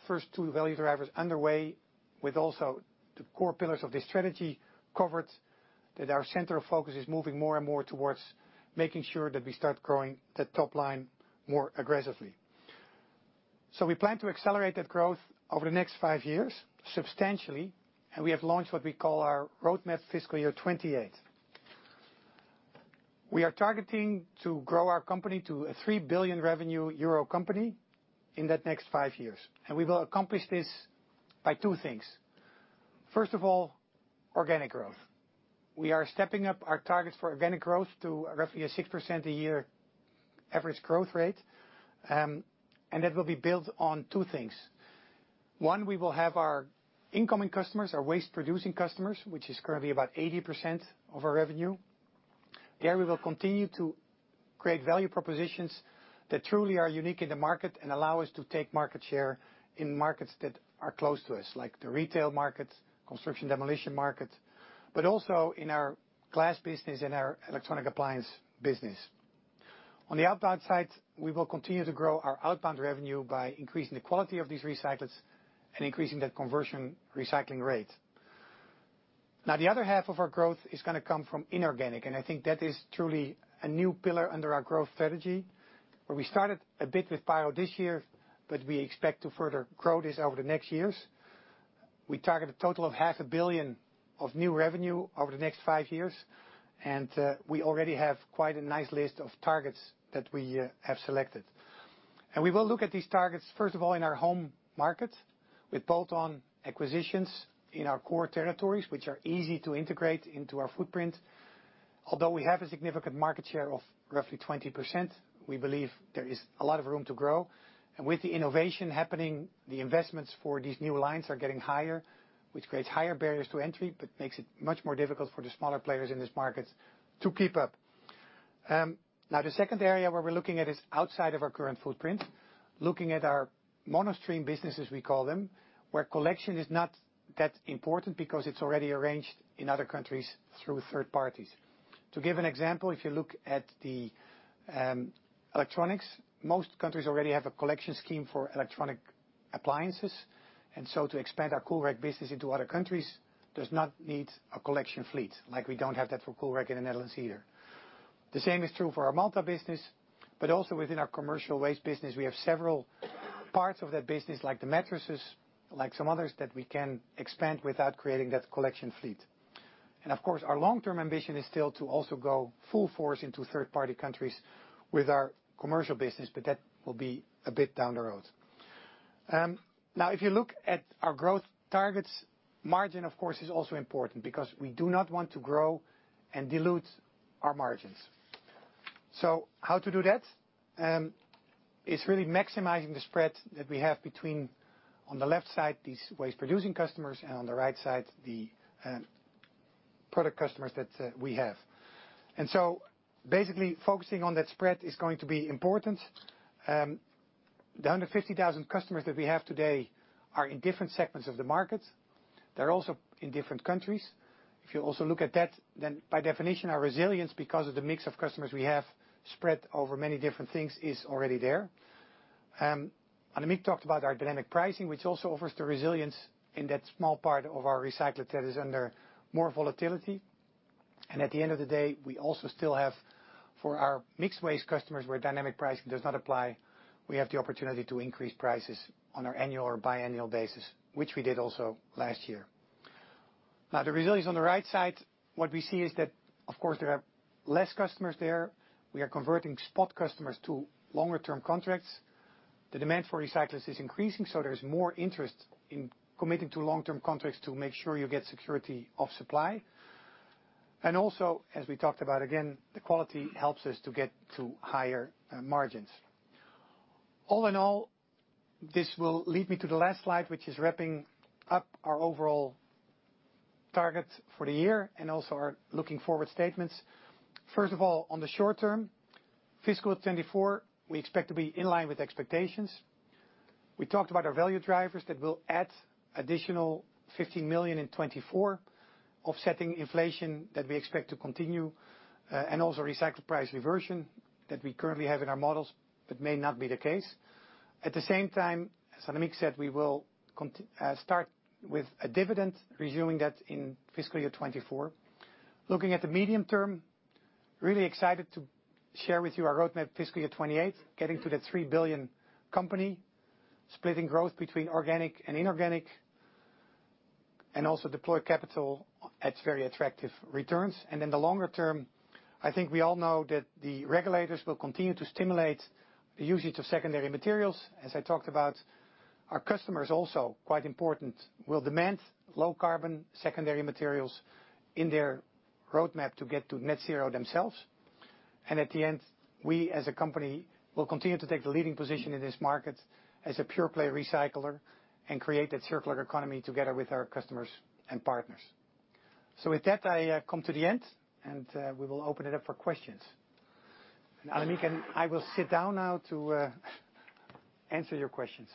first two value drivers underway, with also the core pillars of this strategy covered, that our center of focus is moving more and more towards making sure that we start growing the top line more aggressively. We plan to accelerate that growth over the next 5 years substantially, and we have launched what we call our Roadmap Fiscal year 2028. We are targeting to grow our company to a 3 billion euro revenue company in that next five years. We will accomplish this by two things. First of all, organic growth. We are stepping up our targets for organic growth to roughly a 6% a year average growth rate. That will be built on two things. One, we will have our incoming customers, our waste-producing customers, which is currently about 80% of our revenue. There, we will continue to create value propositions that truly are unique in the market and allow us to take market share in markets that are close to us, like the retail market, construction demolition market, but also in our glass business and our electronic appliance business. On the outbound side, we will continue to grow our outbound revenue by increasing the quality of these recyclates and increasing that conversion recycling rate. The other half of our growth is going to come from inorganic, and I think that is truly a new pillar under our growth strategy, where we started a bit with pyrolysis this year, but we expect to further grow this over the next years. We target a total of half a billion EUR of new revenue over the next five years, and we already have quite a nice list of targets that we have selected. We will look at these targets, first of all, in our home market, with bolt-on acquisitions in our core territories, which are easy to integrate into our footprint. Although we have a significant market share of roughly 20%, we believe there is a lot of room to grow. With the innovation happening, the investments for these new lines are getting higher, which creates higher barriers to entry, but makes it much more difficult for the smaller players in this market to keep up. Now, the second area where we're looking at is outside of our current footprint, looking at our monostream businesses, we call them, where collection is not that important because it's already arranged in other countries through third parties. To give an example, if you look at the electronics, most countries already have a collection scheme for electronic appliances, to expand our Coolrec business into other countries, does not need a collection fleet. Like, we don't have that for Coolrec in the Netherlands either. The same is true for our Maltha business, but also within our commercial waste business, we have several parts of that business, like the mattresses, like some others, that we can expand without creating that collection fleet. Of course, our long-term ambition is still to also go full force into third-party countries with our commercial business, but that will be a bit down the road. Now, if you look at our growth targets, margin, of course, is also important because we do not want to grow and dilute our margins. How to do that? It's really maximizing the spread that we have between, on the left side, these waste-producing customers, and on the right side, the product customers that we have. Basically, focusing on that spread is going to be important. The under 50,000 customers that we have today are in different segments of the market. They're also in different countries. If you also look at that, then by definition, our resilience, because of the mix of customers we have spread over many different things, is already there. Annemieke talked about our dynamic pricing, which also offers the resilience in that small part of our recyclate that is under more volatility. At the end of the day, we also still have, for our mixed waste customers, where dynamic pricing does not apply, we have the opportunity to increase prices on our annual or biannual basis, which we did also last year. The resilience on the right side, what we see is that, of course, there are less customers there. We are converting spot customers to longer-term contracts. The demand for recyclates is increasing. There is more interest in committing to long-term contracts to make sure you get security of supply. Also, as we talked about, again, the quality helps us to get to higher margins. All in all, this will lead me to the last slide, which is wrapping up our overall targets for the year and also our looking forward statements. First of all, on the short term, fiscal 2024, we expect to be in line with expectations. We talked about our value drivers that will add additional 50 million in FY 2024, offsetting inflation that we expect to continue, and also recycled price reversion that we currently have in our models, but may not be the case. At the same time, as Annemieke said, we will start with a dividend, resuming that in fiscal year 2024. Looking at the medium term, really excited to share with you our Roadmap, fiscal year 2028, getting to that 3 billion company, splitting growth between organic and inorganic, and also deploy capital at very attractive returns. In the longer term, I think we all know that the regulators will continue to stimulate the usage of secondary materials. As I talked about, our customers also, quite important, will demand low-carbon, secondary materials in their roadmap to get to net zero themselves. At the end, we, as a company, will continue to take the leading position in this market as a pure-play recycler and create that Circular Economy together with our customers and partners. With that, I come to the end, we will open it up for questions. Annemieke and I will sit down now to answer your questions.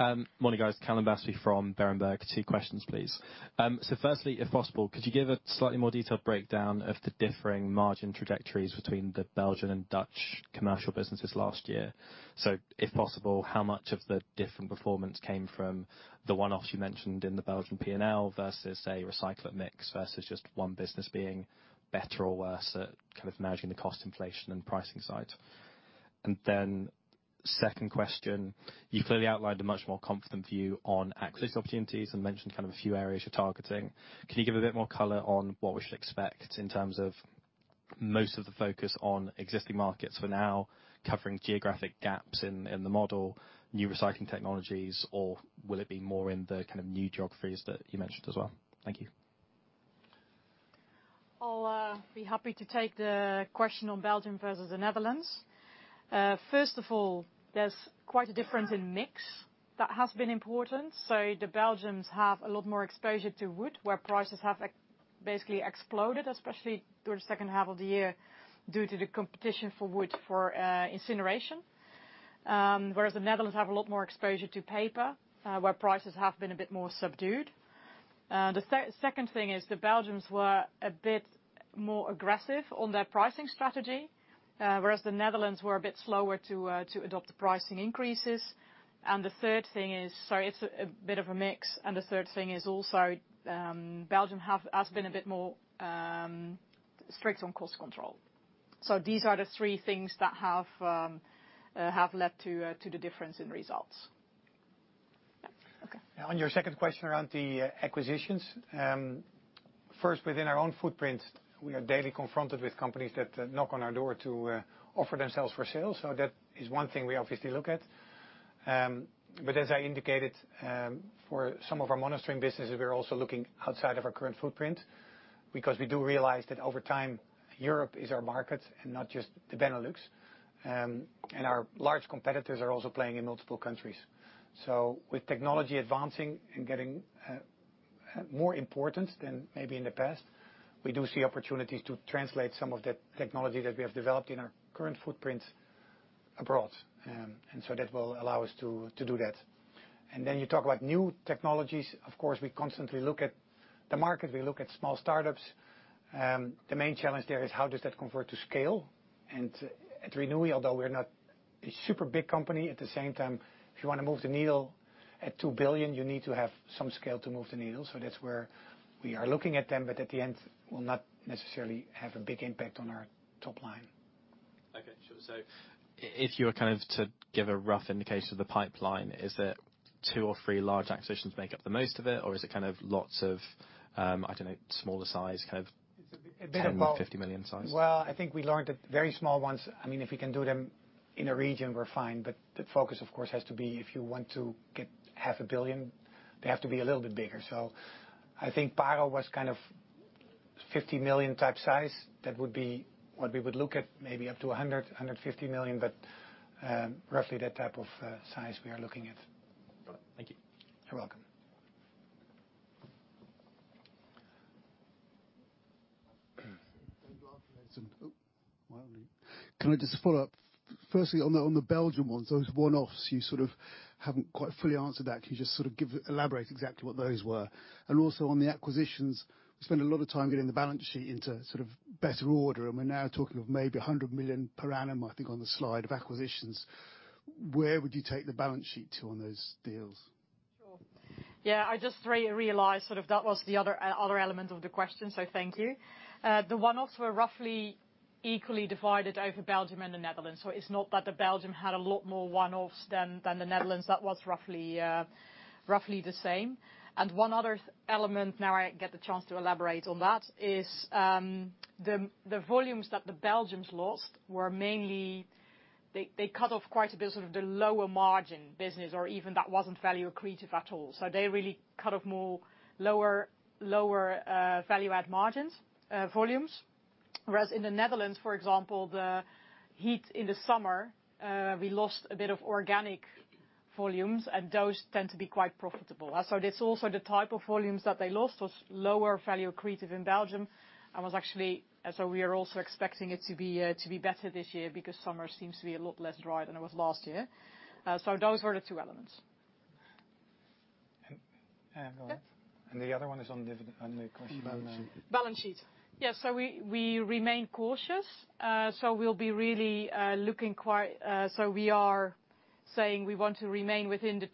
Okay, morning, guys, Toby Flaux from Berenberg. Two questions, please. Firstly, if possible, could you give a slightly more detailed breakdown of the differing margin trajectories between the Belgian and Dutch commercial businesses last year? If possible, how much of the different performance came from the one-offs you mentioned in the Belgian P&L versus, say, recycler mix, versus just one business being better or worse at kind of managing the cost inflation and pricing side? Second question, you clearly outlined a much more confident view on acquisition opportunities and mentioned kind of a few areas you're targeting. Can you give a bit more color on what we should expect in terms of most of the focus on existing markets for now, covering geographic gaps in the model, new recycling technologies, or will it be more in the kind of new geographies that you mentioned as well? Thank you. I'll be happy to take the question on Belgium versus the Netherlands. First of all, there's quite a difference in mix that has been important. The Belgians have a lot more exposure to wood, where prices have basically exploded, especially during the second half of the year, due to the competition for wood, for incineration. Whereas the Netherlands have a lot more exposure to paper, where prices have been a bit more subdued. The second thing is, the Belgians were a bit more aggressive on their pricing strategy, whereas the Netherlands were a bit slower to adopt the pricing increases. The third thing is... Sorry, it's a bit of a mix. The third thing is also, Belgium has been a bit more strict on cost control. These are the three things that have led to the difference in results. Yeah. Okay. On your second question around the acquisitions, first, within our own footprint, we are daily confronted with companies that knock on our door to offer themselves for sale, so that is one thing we obviously look at. As I indicated, for some of our monostream businesses, we're also looking outside of our current footprint because we do realize that over time, Europe is our market and not just the Benelux. Our large competitors are also playing in multiple countries. With technology advancing and getting more important than maybe in the past, we do see opportunities to translate some of the technology that we have developed in our current footprint abroad. That will allow us to do that. You talk about new technologies. Of course, we constantly look at the market, we look at small startups. The main challenge there is how does that convert to scale? At Renewi, although we're not a super big company, at the same time, if you want to move the needle at 2 billion, you need to have some scale to move the needle. That's where we are looking at them, but at the end, will not necessarily have a big impact on our top line. Okay, sure. If you were kind of to give a rough indication of the pipeline, is it two or three large acquisitions make up the most of it, or is it kind of lots of, I don't know, smaller size, kind of? It's a bit of both. 10 million, 50 million size? I think we learned that very small ones, I mean, if we can do them in a region, we're fine, the focus, of course, has to be, if you want to get half a billion EUR, they have to be a little bit bigger. I think PARO was kind of 50 million type size. That would be what we would look at, maybe up to 100 million-150 million, roughly that type of size we are looking at. Got it. Thank you. You're welcome. Can I just follow up? Firstly, on the Belgium ones, those one-offs, you sort of haven't quite fully answered that. Can you just sort of elaborate exactly what those were? Also, on the acquisitions, we spent a lot of time getting the balance sheet into sort of better order, and we're now talking of maybe 100 million per annum, I think, on the slide of acquisitions. Where would you take the balance sheet to on those deals? Sure. Yeah, I just realized sort of that was the other element of the question, so thank you. The one-offs were roughly equally divided over Belgium and the Netherlands, so it's not that the Belgium had a lot more one-offs than the Netherlands. That was roughly the same. One other element, now I get the chance to elaborate on that, is, the volumes that the Belgians lost were mainly. They cut off quite a bit of the lower margin business or even that wasn't value accretive at all. They really cut off more lower value add margins, volumes. Whereas in the Netherlands, for example, the heat in the summer, we lost a bit of organic volumes, those tend to be quite profitable. That's also the type of volumes that they lost, was lower value accretive in Belgium and was actually. We are also expecting it to be better this year, because summer seems to be a lot less dry than it was last year. Those were the two elements. Go on. Yeah. The other one is on the dividend, on the question about. Balance sheet. Yes, we remain cautious. We are saying we want to remain within the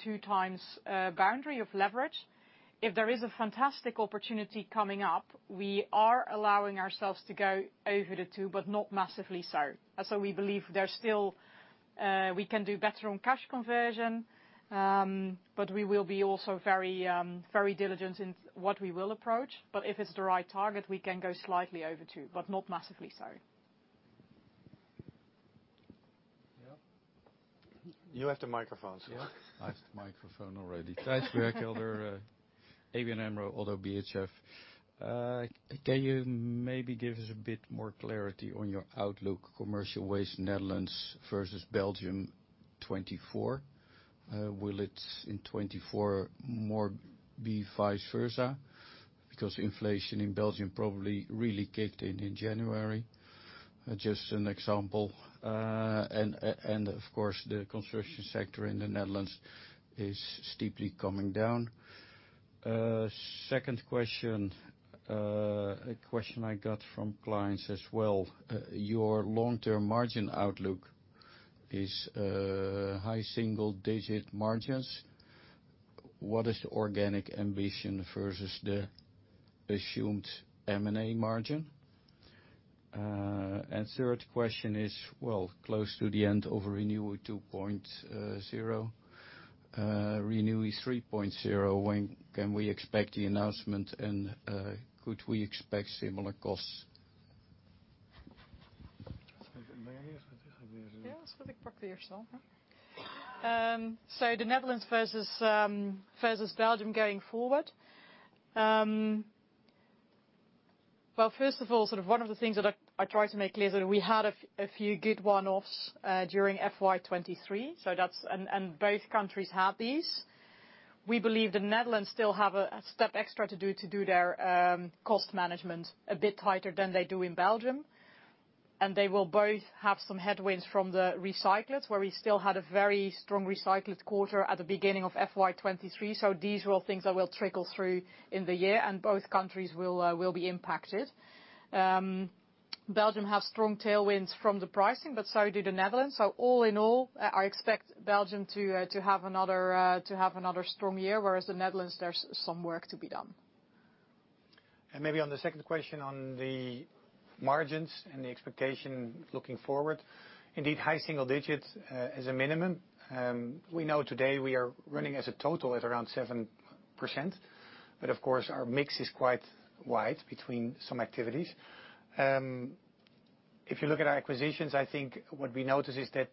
2x boundary of leverage. If there is a fantastic opportunity coming up, we are allowing ourselves to go over the 2, but not massively so. We believe there's still we can do better on cash conversion, but we will be also very diligent in what we will approach. If it's the right target, we can go slightly over 2, but not massively so. Yeah? You have the microphone, so yeah. I have the microphone already. Gijsbert Helder, ABN AMRO, although BHF. Can you maybe give us a bit more clarity on your outlook, Commercial Waste Netherlands versus Belgium 2024? Will it in 2024 more be vice versa? Inflation in Belgium probably really kicked in January, just an example. Of course, the construction sector in the Netherlands is steeply coming down. Second question, a question I got from clients as well. Your long-term margin outlook is high single-digit margins. What is the organic ambition versus the assumed M&A margin? Third question is, well, close to the end of Renewi 2.0, Renewi 3.0, when can we expect the announcement, and could we expect similar costs? Yes, but I practical yourself. The Netherlands versus Belgium going forward. Well, first of all, sort of one of the things that I tried to make clear is that we had a few good one-offs during FY 2023, so that's... Both countries had these. We believe the Netherlands still have a step extra to do their cost management a bit tighter than they do in Belgium. They will both have some headwinds from the recyclers, where we still had a very strong recycler quarter at the beginning of FY 2023. These are all things that will trickle through in the year, and both countries will be impacted. Belgium have strong tailwinds from the pricing, but so do the Netherlands. All in all, I expect Belgium to have another strong year, whereas the Netherlands, there's some work to be done. Maybe on the second question on the margins and the expectation looking forward. Indeed, high single digits as a minimum. We know today we are running as a total at around 7%, but of course, our mix is quite wide between some activities. If you look at our acquisitions, I think what we notice is that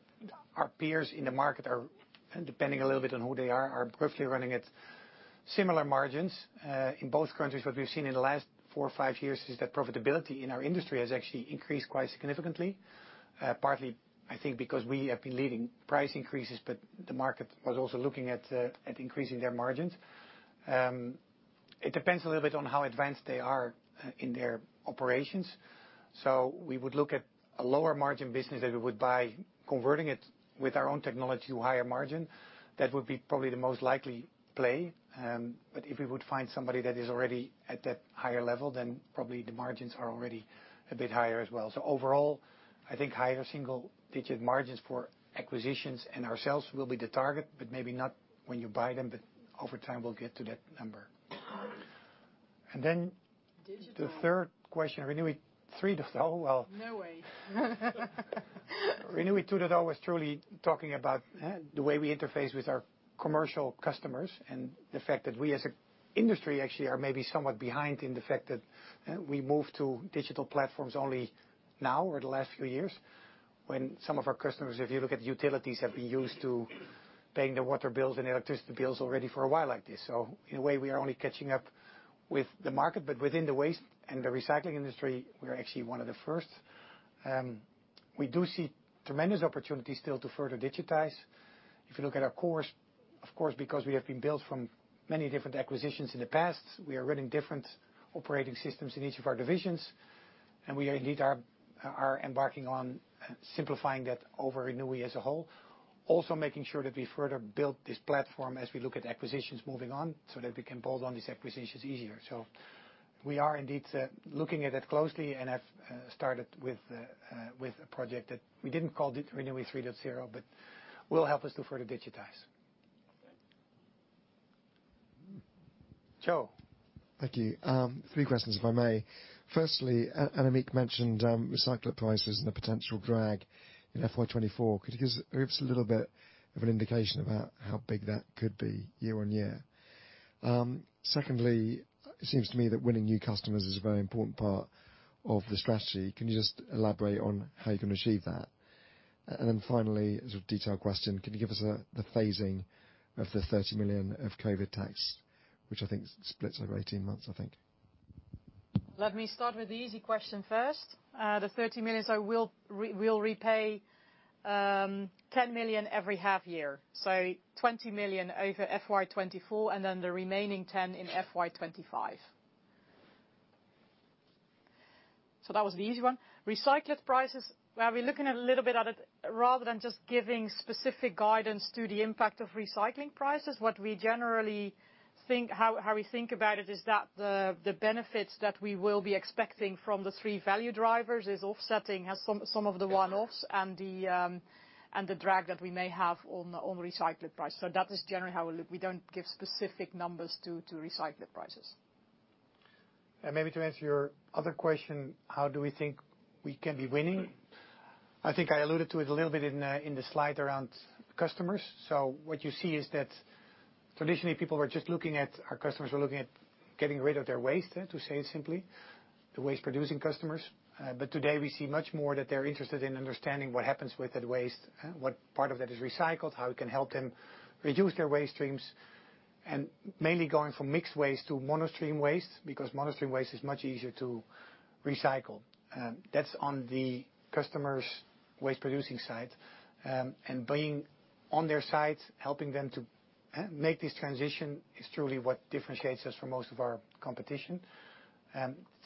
our peers in the market are, depending a little bit on who they are roughly running at similar margins. In both countries, what we've seen in the last five or five years is that profitability in our industry has actually increased quite significantly. Partly, I think, because we have been leading price increases, but the market was also looking at increasing their margins. It depends a little bit on how advanced they are in their operations. We would look at a lower margin business that we would, by converting it with our own technology, to higher margin. That would be probably the most likely play, if we would find somebody that is already at that higher level, then probably the margins are already a bit higher as well. Overall, I think higher single-digit margins for acquisitions and ourselves will be the target, but maybe not when you buy them, but over time, we'll get to that number. Digital. The third question, Renewi 3.0, well. No way. Renewi 2.0 was truly talking about the way we interface with our commercial customers and the fact that we, as a industry, actually are maybe somewhat behind in the fact that we moved to digital platforms only now, or the last few years. When some of our customers, if you look at utilities, have been used to paying their water bills and electricity bills already for a while like this. In a way, we are only catching up with the market, but within the waste and the recycling industry, we are actually one of the first. We do see tremendous opportunities still to further digitize. If you look at our course, of course, because we have been built from many different acquisitions in the past, we are running different operating systems in each of our divisions, we indeed are embarking on simplifying that over Renewi as a whole. Making sure that we further build this platform as we look at acquisitions moving on, that we can build on these acquisitions easier. We are indeed looking at it closely and have started with a project that we didn't call it Renewi 3.0, but will help us to further digitize. Joe? Thank you. three questions, if I may. Firstly, Annemieke mentioned recycler prices and the potential drag in FY 2024. Could you give us a little bit of an indication about how big that could be year on year? Secondly, it seems to me that winning new customers is a very important part of the strategy. Can you just elaborate on how you're going to achieve that? Then finally, as a detailed question, can you give us the phasing of the 30 million of COVID tax, which I think splits over 18 months, I think. Let me start with the easy question first. The 30 million we'll repay 10 million every half year, 20 million over FY 2024, then the remaining 10 in FY 2025. That was the easy one. Recycler prices, well, we're looking at a little bit at it, rather than just giving specific guidance to the impact of recycling prices, what we generally think, how we think about it, is that the benefits that we will be expecting from the three value drivers is offsetting some of the one-offs and the drag that we may have on recycled price. That is generally how we look. We don't give specific numbers to recycled prices. Maybe to answer your other question, how do we think we can be winning? I think I alluded to it a little bit in the slide around customers. What you see is traditionally, people were just looking at, our customers were looking at getting rid of their waste, to say it simply, the waste-producing customers. Today, we see much more that they're interested in understanding what happens with that waste, what part of that is recycled, how it can help them reduce their waste streams, and mainly going from mixed waste to monostream waste, because monostream waste is much easier to recycle. That's on the customer's waste-producing side. Being on their side, helping them to make this transition is truly what differentiates us from most of our competition.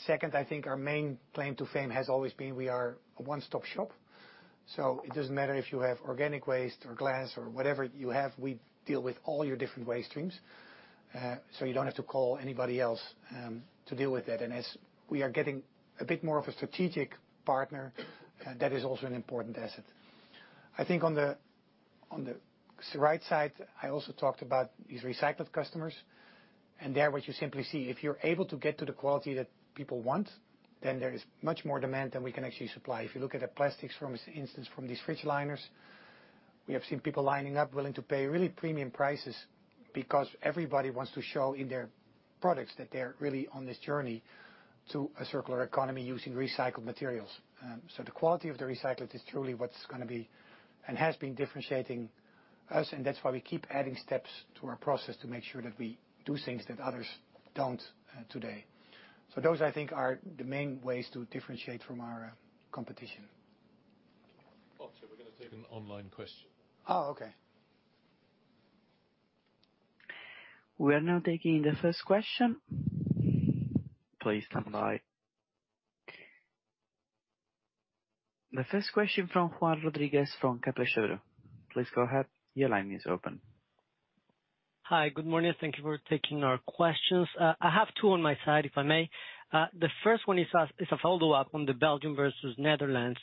Second, I think our main claim to fame has always been we are a one-stop shop, so it doesn't matter if you have organic waste or glass or whatever you have, we deal with all your different waste streams. You don't have to call anybody else to deal with that. As we are getting a bit more of a strategic partner, that is also an important asset. I think on the right side, I also talked about these recycled customers, and there, what you simply see, if you're able to get to the quality that people want, then there is much more demand than we can actually supply. If you look at the plastics, for instance, from these fridge liners, we have seen people lining up, willing to pay really premium prices because everybody wants to show in their products that they're really on this journey to a circular economy using recycled materials. The quality of the recyclate is truly what's gonna be and has been differentiating us, and that's why we keep adding steps to our process to make sure that we do things that others don't today. Those, I think, are the main ways to differentiate from our competition. Okay, we're gonna take an online question. Oh, okay. We are now taking the first question. Please stand by. The first question from Juan Rodriguez, from Kepler Cheuvreux. Please go ahead. Your line is open. Hi, good morning. Thank you for taking our questions. I have two on my side, if I may. The first one is a follow-up on the Belgium versus Netherlands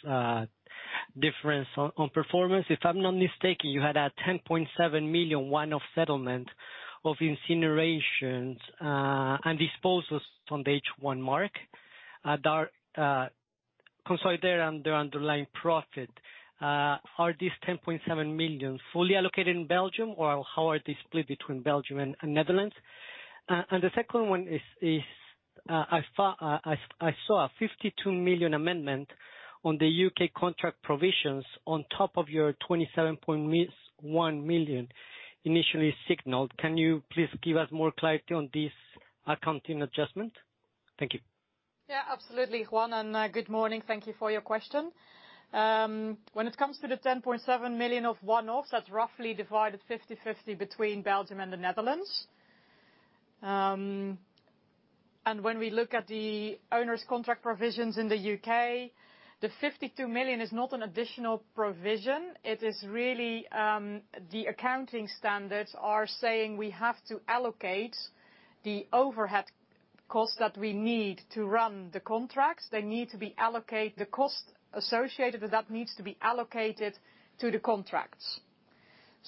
difference on performance. If I'm not mistaken, you had a 10.7 million one-off settlement of incinerations and disposals on the H1 mark consolidated under underlying profit. Are these 10.7 million fully allocated in Belgium, or how are they split between Belgium and Netherlands? The second one is, I saw a 52 million amendment on the U.K. contract provisions on top of your 27.1 million initially signaled. Can you please give us more clarity on this accounting adjustment? Thank you. Absolutely, Juan, good morning. Thank you for your question. When it comes to the 10.7 million of one-offs, that's roughly divided 50/50 between Belgium and the Netherlands. When we look at the owner's contract provisions in the U.K., the 52 million is not an additional provision. It is really, the accounting standards are saying we have to allocate the overhead costs that we need to run the contracts. The cost associated with that needs to be allocated to the contracts.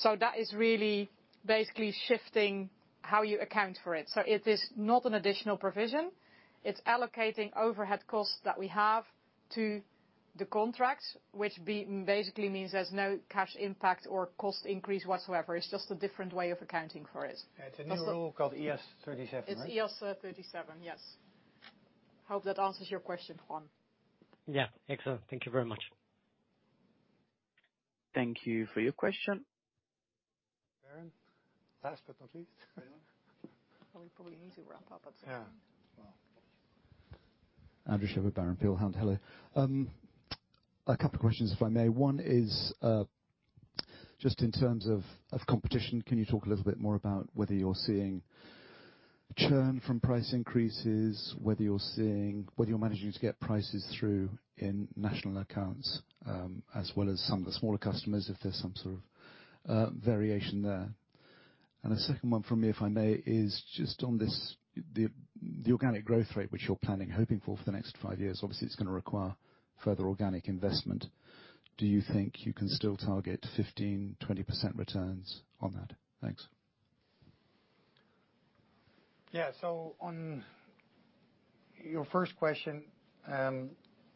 That is really basically shifting how you account for it. It is not an additional provision. It's allocating overhead costs that we have to the contracts, which basically means there's no cash impact or cost increase whatsoever. It's just a different way of accounting for it. Yeah, it's a new rule called IAS 37, right? It's IAS 37, yes. Hope that answers your question, Juan. Yeah. Excellent. Thank you very much. Thank you for your question. Barron? Last but not least. Well, we probably need to wrap up at some point. Yeah. Well... Andrew Shepherd-Barron, Peel Hunt. Hello. A couple of questions, if I may. One is, just in terms of competition, can you talk a little bit more about whether you're seeing churn from price increases, whether you're managing to get prices through in national accounts, as well as some of the smaller customers, if there's some sort of variation there? A second one from me, if I may, is just on this, the organic growth rate, which you're planning, hoping for for the next five years. Obviously, it's gonna require further organic investment. Do you think you can still target 15%-20% returns on that? Thanks. Yeah. On your first question,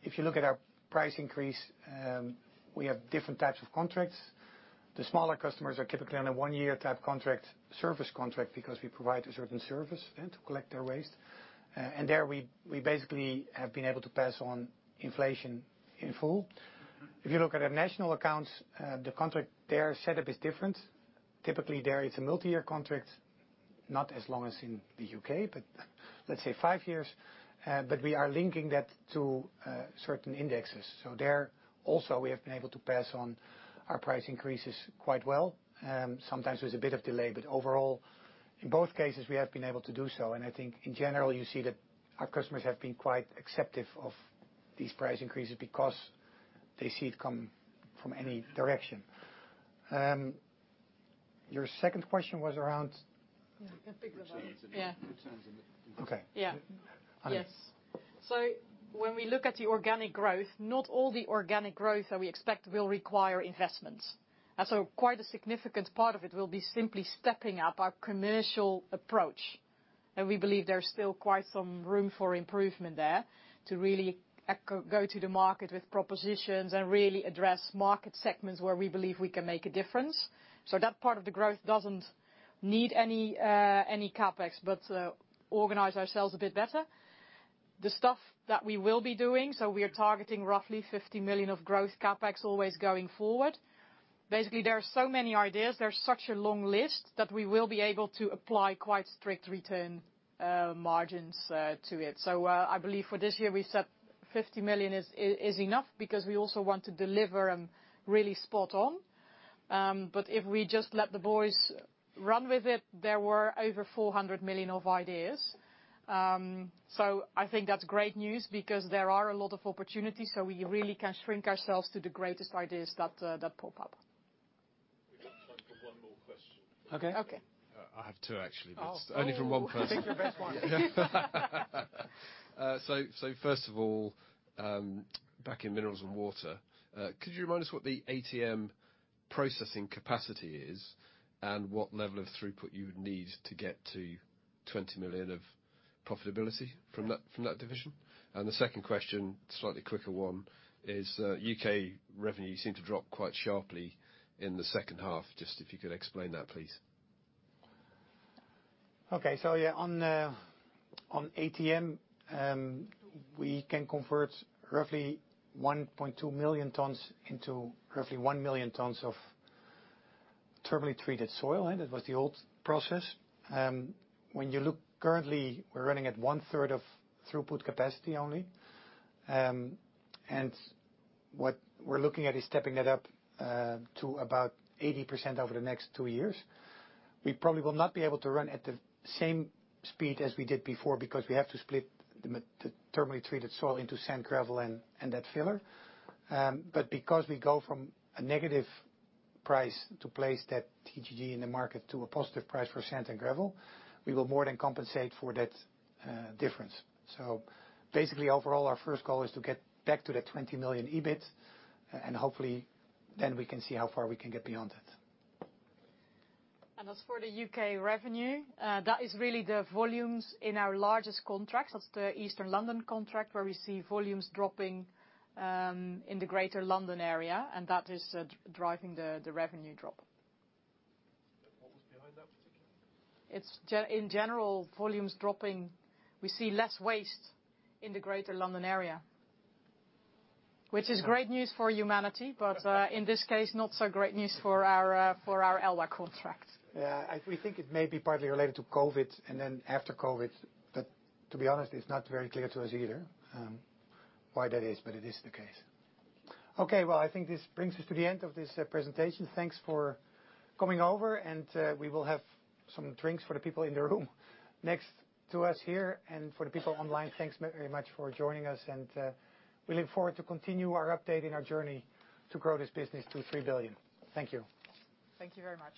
if you look at our price increase, we have different types of contracts. The smaller customers are typically on a one-year type contract, service contract, because we provide a certain service, yeah, to collect their waste. There we basically have been able to pass on inflation in full. If you look at our national accounts, the contract, their setup is different. Typically, there it's a multi-year contract, not as long as in the U.K., but let's say five years. We are linking that to certain indexes. There, also, we have been able to pass on our price increases quite well. Sometimes there's a bit of delay, but overall, in both cases, we have been able to do so. I think in general, you see that our customers have been quite acceptive of these price increases because they see it coming from any direction. Your second question was around? Yeah, you can pick it up. Yeah. Okay. Yes. When we look at the organic growth, not all the organic growth that we expect will require investments. Quite a significant part of it will be simply stepping up our commercial approach. We believe there's still quite some room for improvement there, to really go to the market with propositions and really address market segments where we believe we can make a difference. That part of the growth doesn't need any CapEx, but organize ourselves a bit better. The stuff that we will be doing, we are targeting roughly 50 million of growth CapEx always going forward. Basically, there are so many ideas, there's such a long list, that we will be able to apply quite strict return margins to it. I believe for this year we said 50 million is enough because we also want to deliver and really spot on. If we just let the boys run with it, there were over 400 million of ideas. I think that's great news, because there are a lot of opportunities, we really can shrink ourselves to the greatest ideas that pop up. We've got time for one more question. Okay. Okay. I have two, actually. Only from one person. Pick your best one. First of all, back in Mineralz & Water, could you remind us what the ATM processing capacity is, and what level of throughput you would need to get to 20 million of profitability from that division? The second question, slightly quicker one, is U.K. revenue seemed to drop quite sharply in the second half. Just if you could explain that, please? On ATM, we can convert roughly 1.2 million tons into roughly 1 million tons of thermally treated soil, and it was the old process. When you look currently, we're running at one third of throughput capacity only. What we're looking at is stepping that up to about 80% over the next two years. We probably will not be able to run at the same speed as we did before, because we have to split the thermally treated soil into sand, gravel, and that filler. Because we go from a negative price to place that TGG in the market to a positive price for sand and gravel, we will more than compensate for that difference. Basically, overall, our first goal is to get back to the 20 million EBIT, and hopefully then we can see how far we can get beyond that. As for the U.K. revenue, that is really the volumes in our largest contracts. That's the East London contract, where we see volumes dropping in the Greater London area, and that is driving the revenue drop. What was behind that particularly? In general, volumes dropping. We see less waste in the Greater London area, which is great news for humanity, in this case, not so great news for our for our ELWA contract. I, we think it may be partly related to COVID and then after COVID, but to be honest, it's not very clear to us either, why that is, but it is the case. I think this brings us to the end of this presentation. Thanks for coming over. We will have some drinks for the people in the room next to us here. For the people online, thanks very much for joining us. We look forward to continue our update and our journey to grow this business to 3 billion. Thank you. Thank you very much.